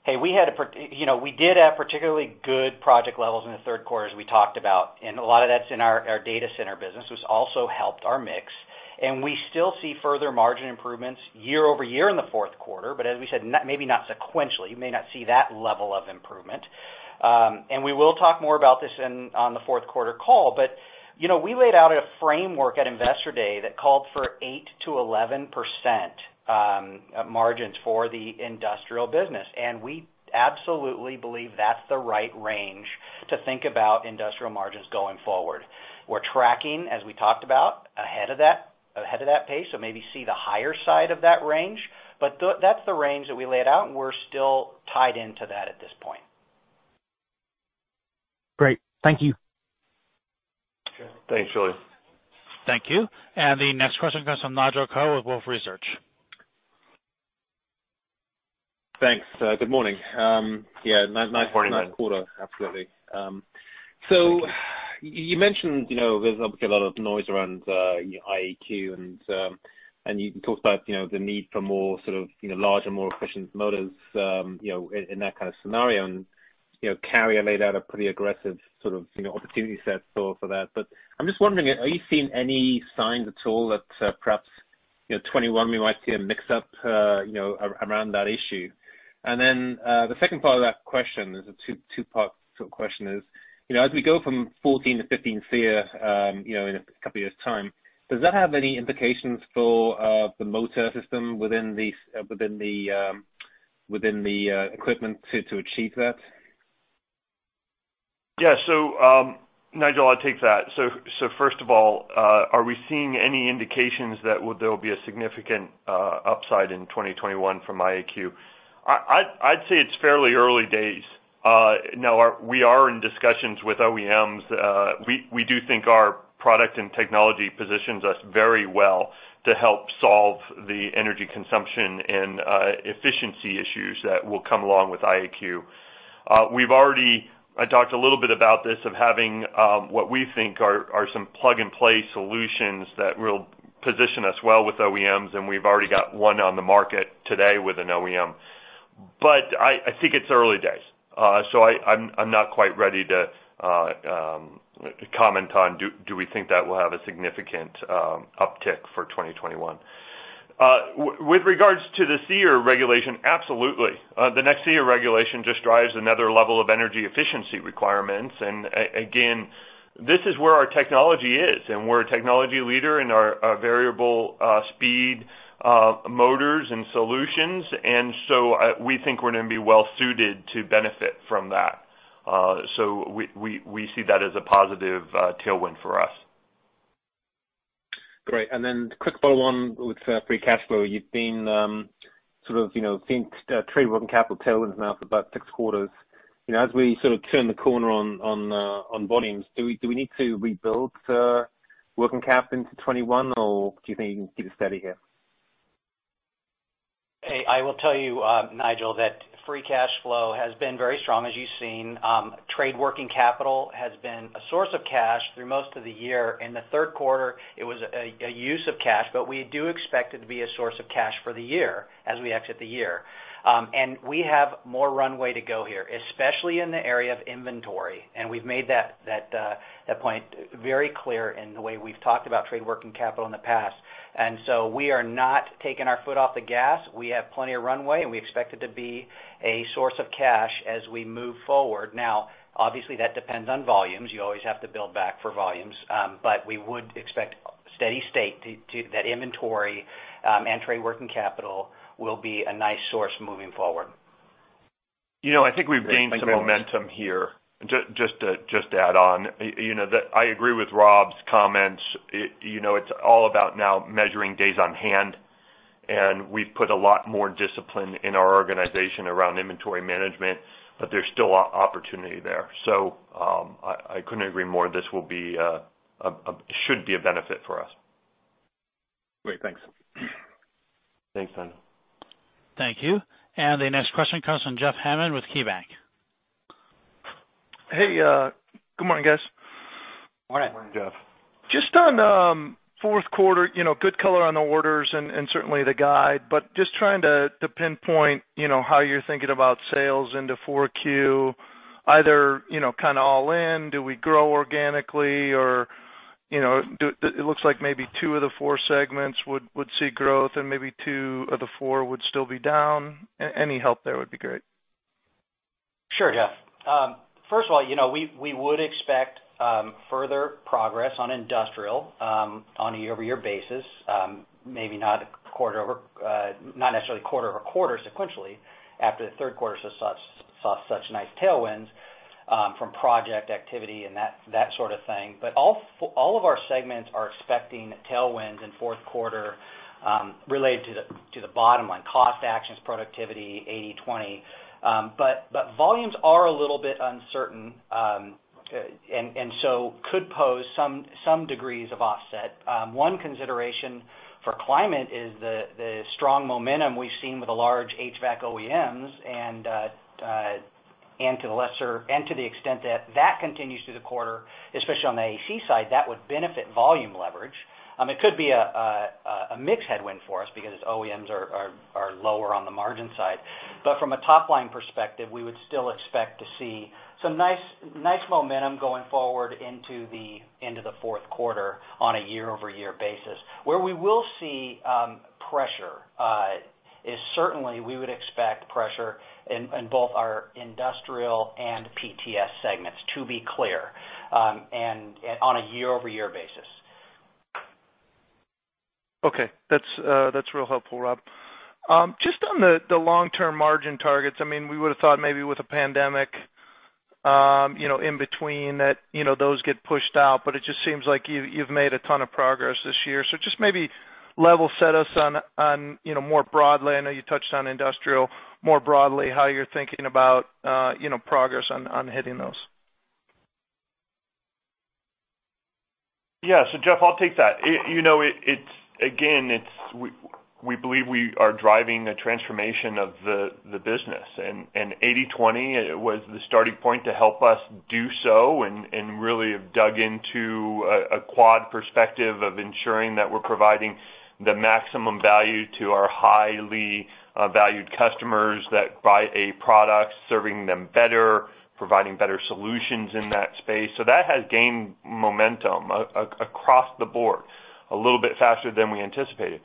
Hey, we did have particularly good project levels in the third quarter, as we talked about. A lot of that's in our data center business, which also helped our mix. We still see further margin improvements year-over-year in the fourth quarter, as we said, maybe not sequentially. You may not see that level of improvement. We will talk more about this on the fourth quarter call. We laid out a framework at Investor Day that called for 8%-11% margins for the industrial business. We absolutely believe that's the right range to think about industrial margins going forward. We're tracking, as we talked about, ahead of that pace. Maybe see the higher side of that range. That's the range that we laid out. We're still tied into that at this point. Great. Thank you. Sure. Thanks, Julian. Thank you. The next question comes from Nigel Coe with Wolfe Research. Thanks. Good morning. Yeah. Good morning. Nice quarter. Absolutely. You mentioned there's obviously a lot of noise around IAQ, and you talked about the need for more sort of larger, more efficient motors in that kind of scenario. Carrier laid out a pretty aggressive sort of opportunity set for that. I'm just wondering, are you seeing any signs at all that perhaps 2021 we might see a mix up around that issue? Then, the second part of that question is, a two-part sort of question is, as we go from 14 to 15 SEER in a couple years' time, does that have any implications for the motor system within the equipment to achieve that? Nigel, I'll take that. First of all, are we seeing any indications that there will be a significant upside in 2021 from IAQ? I'd say it's fairly early days. Now we are in discussions with OEMs. We do think our product and technology positions us very well to help solve the energy consumption and efficiency issues that will come along with IAQ. We've already talked a little bit about this, of having what we think are some plug-and-play solutions that will position us well with OEMs, and we've already got one on the market today with an OEM. I think it's early days. I'm not quite ready to comment on do we think that will have a significant uptick for 2021. With regards to the SEER regulation, absolutely. The next SEER regulation just drives another level of energy efficiency requirements. Again, this is where our technology is, and we're a technology leader in our variable speed motors and solutions. We think we're going to be well suited to benefit from that. We see that as a positive tailwind for us. Great. Quick follow-on with free cash flow. You've been sort of seeing trade working capital tailwinds now for about six quarters. As we sort of turn the corner on volumes, do we need to rebuild working capital into 2021, or do you think you can keep it steady here? Hey, I will tell you, Nigel, that free cash flow has been very strong, as you've seen. Trade working capital has been a source of cash through most of the year. In the third quarter, it was a use of cash, but we do expect it to be a source of cash for the year as we exit the year. We have more runway to go here, especially in the area of inventory, and we've made that point very clear in the way we've talked about trade working capital in the past. We are not taking our foot off the gas. We have plenty of runway, and we expect it to be a source of cash as we move forward. Now, obviously, that depends on volumes. You always have to build back for volumes. We would expect steady state to that inventory, and trade working capital will be a nice source moving forward. I think we've gained some momentum here. Just to add on, I agree with Rob's comments. It's all about now measuring days on hand, and we've put a lot more discipline in our organization around inventory management, but there's still opportunity there. I couldn't agree more. This should be a benefit for us. Great. Thanks. Thanks, Nigel. Thank you. The next question comes from Jeff Hammond with KeyBanc. Hey. Good morning, guys. Morning. Morning, Jeff. Just on fourth quarter, good color on the orders and certainly the guide, but just trying to pinpoint how you're thinking about sales into 4Q, either kind of all in, do we grow organically or it looks like maybe two of the four segments would see growth and maybe two of the four would still be down. Any help there would be great. Sure, Jeff. First of all, we would expect further progress on industrial on a year-over-year basis. Maybe not necessarily quarter-over-quarter sequentially after the third quarter saw such nice tailwinds from project activity and that sort of thing. All of our segments are expecting tailwinds in fourth quarter related to the bottom line, cost actions, productivity, 80/20. Volumes are a little bit uncertain, and so could pose some degrees of offset. One consideration for climate is the strong momentum we've seen with the large HVAC OEMs and to the extent that that continues through the quarter, especially on the AC side, that would benefit volume leverage. It could be a mix headwind for us because OEMs are lower on the margin side. From a top-line perspective, we would still expect to see some nice momentum going forward into the fourth quarter on a year-over-year basis. Where we will see pressure is certainly we would expect pressure in both our Industrial and PTS segments, to be clear, and on a year-over-year basis. Okay. That's real helpful, Rob. Just on the long-term margin targets, we would've thought maybe with the pandemic in between that those get pushed out, but it just seems like you've made a ton of progress this year. Just maybe level set us on more broadly, I know you touched on industrial, more broadly, how you're thinking about progress on hitting those. Yeah. Jeff, I'll take that. Again, we believe we are driving the transformation of the business, and 80/20 was the starting point to help us do so and really have dug into a quad perspective of ensuring that we're providing the maximum value to our highly valued customers that buy a product, serving them better, providing better solutions in that space. That has gained momentum across the board a little bit faster than we anticipated.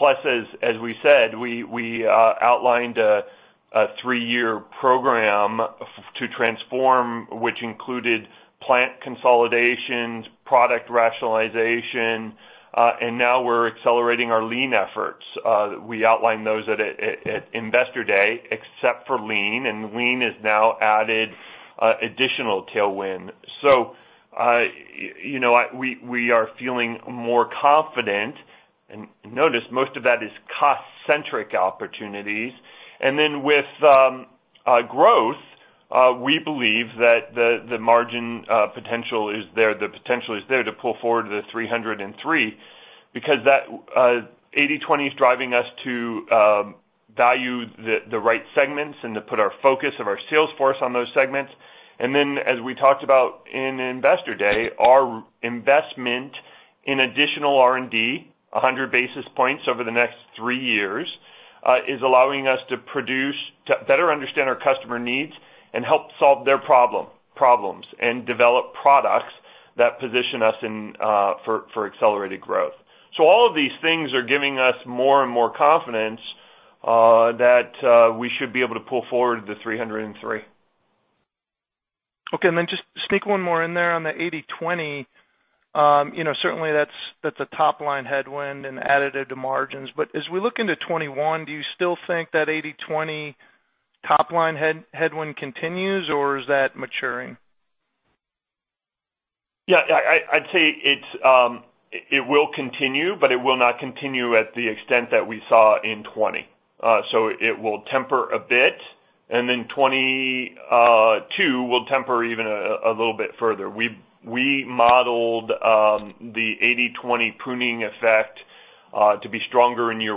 As we said, we outlined a three-year program to transform, which included plant consolidations, product rationalization, and now we're accelerating our lean efforts. We outlined those at Investor Day, except for lean, and lean has now added additional tailwind. We are feeling more confident, and notice most of that is cost-centric opportunities. With growth, we believe that the margin potential is there. The potential is there to pull forward to the 303 because that 80/20 is driving us to value the right segments and to put our focus of our sales force on those segments. As we talked about in Investor Day, our investment in additional R&D, 100 basis points over the next three years, is allowing us to better understand our customer needs and help solve their problems and develop products that position us for accelerated growth. All of these things are giving us more and more confidence that we should be able to pull forward the 303. Okay, just sneak one more in there on the 80/20. Certainly, that's a top-line headwind and additive to margins. As we look into 2021, do you still think that 80/20 top-line headwind continues, or is that maturing? I'd say it will continue, but it will not continue at the extent that we saw in 2020. It will temper a bit, and then 2022 will temper even a little bit further. We modeled the 80/20 pruning effect to be stronger in year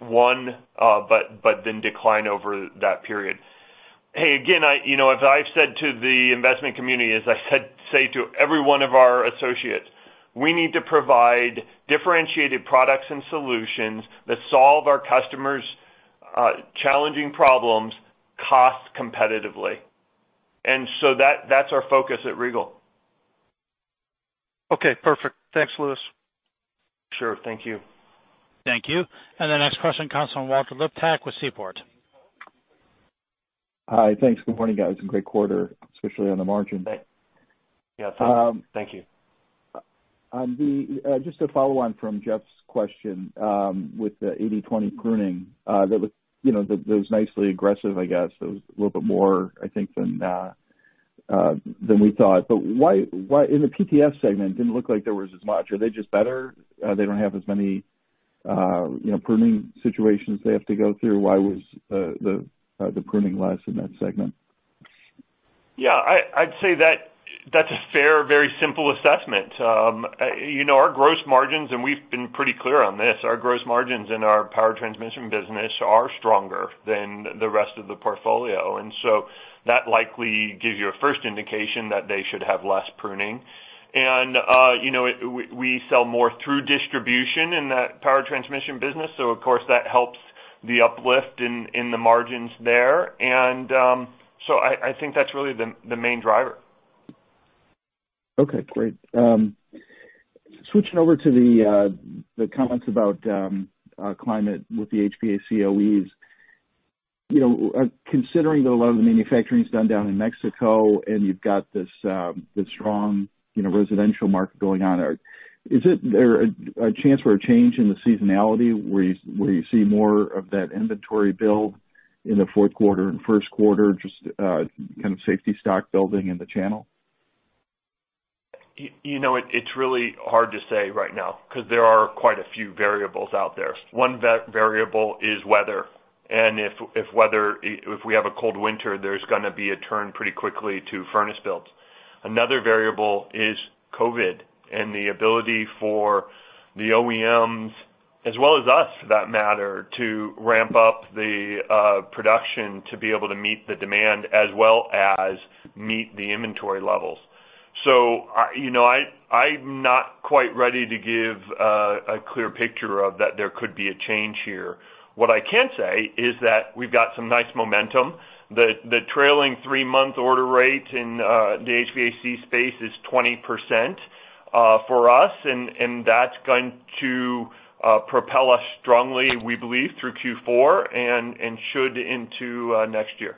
one but then decline over that period. Hey, again, as I've said to the investment community, as I say to every one of our associates, we need to provide differentiated products and solutions that solve our customers' challenging problems cost-competitively. That's our focus at Regal. Okay, perfect. Thanks, Louis. Sure. Thank you. Thank you. The next question comes from Walter Liptak with Seaport. Hi. Thanks. Good morning, guys. Great quarter, especially on the margins. Yeah. Thank you. Just a follow-on from Jeff's question with the 80/20 pruning that was nicely aggressive, I guess. It was a little bit more, I think, than we thought. Why in the PTS segment, didn't look like there was as much? Are they just better? They don't have as many pruning situations they have to go through. Why was the pruning less in that segment? Yeah. I'd say that's a fair, very simple assessment. Our gross margins, and we've been pretty clear on this, our gross margins in our power transmission business are stronger than the rest of the portfolio, and so that likely gives you a first indication that they should have less pruning. We sell more through distribution in that power transmission business, so of course, that helps the uplift in the margins there. I think that's really the main driver. Okay, great. Switching over to the comments about climate with the HVAC OEMs. Considering that a lot of the manufacturing's done down in Mexico and you've got this strong residential market going on, is there a chance for a change in the seasonality where you see more of that inventory build in the fourth quarter and first quarter, just kind of safety stock building in the channel? It's really hard to say right now because there are quite a few variables out there. One variable is weather, and if we have a cold winter, there's going to be a turn pretty quickly to furnace builds. Another variable is COVID and the ability for the OEMs as well as us, for that matter, to ramp up the production to be able to meet the demand as well as meet the inventory levels. I'm not quite ready to give a clear picture of that there could be a change here. What I can say is that we've got some nice momentum. The trailing three-month order rate in the HVAC space is 20% for us, and that's going to propel us strongly, we believe, through Q4 and should into next year.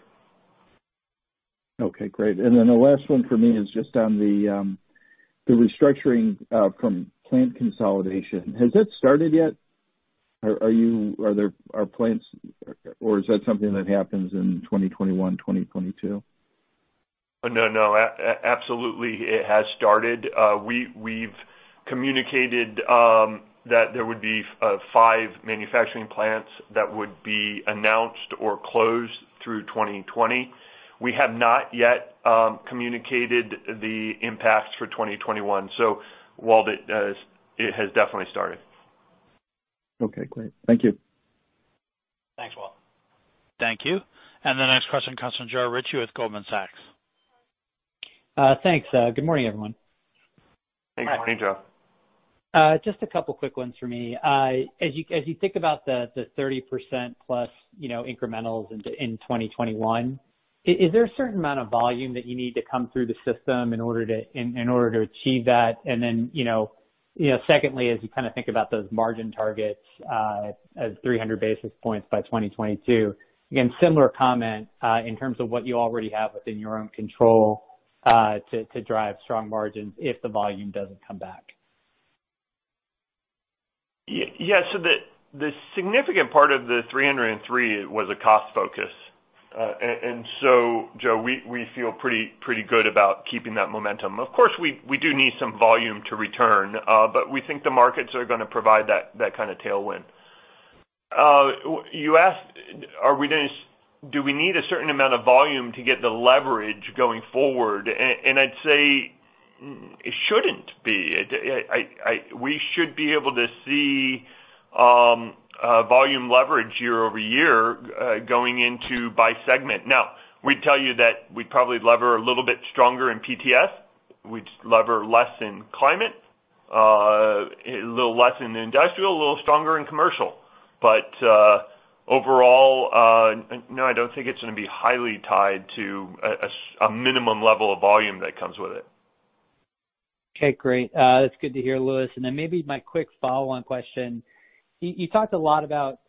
Okay, great. The last one for me is just on the restructuring from plant consolidation. Has that started yet? Is that something that happens in 2021, 2022? No. Absolutely, it has started. We've communicated that there would be five manufacturing plants that would be announced or closed through 2020. We have not yet communicated the impacts for 2021. Walter, it has definitely started. Okay, great. Thank you. Thanks, Walt. Thank you. The next question comes from Joe Ritchie with Goldman Sachs. Thanks. Good morning, everyone. Thanks. Good morning, Joe. Just a couple quick ones for me. As you think about the 30%+ incrementals in 2021, is there a certain amount of volume that you need to come through the system in order to achieve that? Secondly, as you think about those margin targets of 300 basis points by 2022, again, similar comment in terms of what you already have within your own control to drive strong margins if the volume doesn't come back. Yeah. The significant part of the 303 was a cost focus. Joe, we feel pretty good about keeping that momentum. Of course, we do need some volume to return. We think the markets are going to provide that kind of tailwind. You asked, do we need a certain amount of volume to get the leverage going forward? I'd say it shouldn't be. We should be able to see volume leverage year-over-year going into by segment. Now, we'd tell you that we'd probably lever a little bit stronger in PTS. We'd lever less in Climate, a little less in Industrial, a little stronger in Commercial. Overall no, I don't think it's going to be highly tied to a minimum level of volume that comes with it. Okay, great. That's good to hear, Louis. Then maybe my quick follow-on question. You talked a lot about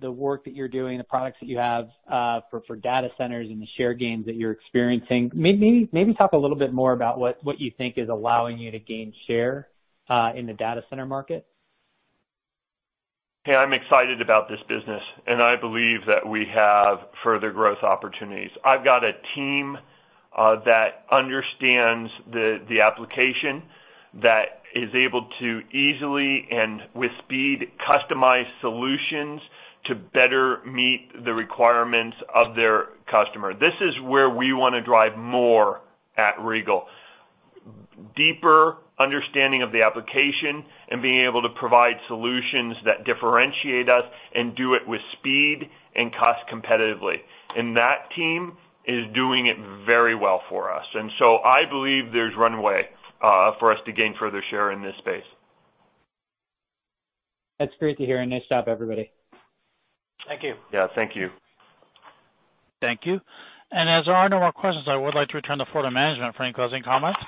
the work that you're doing, the products that you have for data centers and the share gains that you're experiencing. Maybe talk a little bit more about what you think is allowing you to gain share in the data center market. Hey, I'm excited about this business, and I believe that we have further growth opportunities. I've got a team that understands the application, that is able to easily and with speed customize solutions to better meet the requirements of their customer. This is where we want to drive more at Regal. Deeper understanding of the application and being able to provide solutions that differentiate us and do it with speed and cost competitively. That team is doing it very well for us. I believe there's runway for us to gain further share in this space. That's great to hear, and nice job, everybody. Thank you. Yeah. Thank you. Thank you. As there are no more questions, I would like to return the floor to management for any closing comments.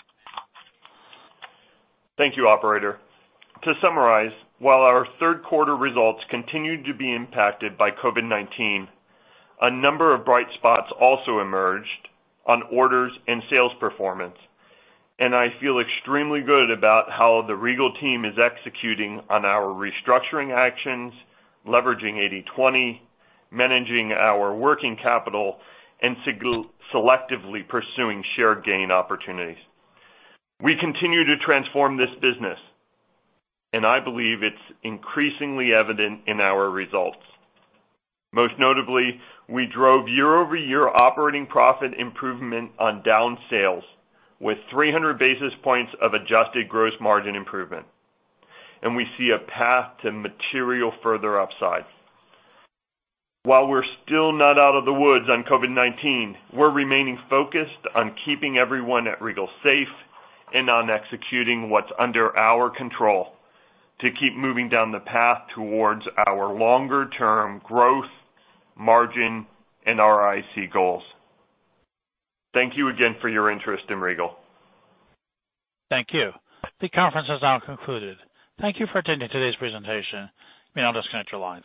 Thank you, operator. To summarize, while our third quarter results continued to be impacted by COVID-19, a number of bright spots also emerged on orders and sales performance. I feel extremely good about how the Regal team is executing on our restructuring actions, leveraging 80/20, managing our working capital, and selectively pursuing share gain opportunities. We continue to transform this business, and I believe it's increasingly evident in our results. Most notably, we drove year-over-year operating profit improvement on down sales with 300 basis points of adjusted gross margin improvement. We see a path to material further upside. While we're still not out of the woods on COVID-19, we're remaining focused on keeping everyone at Regal safe and on executing what's under our control to keep moving down the path towards our longer-term growth, margin, and ROIC goals. Thank you again for your interest in Regal. Thank you. The conference has now concluded. Thank you for attending today's presentation. You may now disconnect your lines.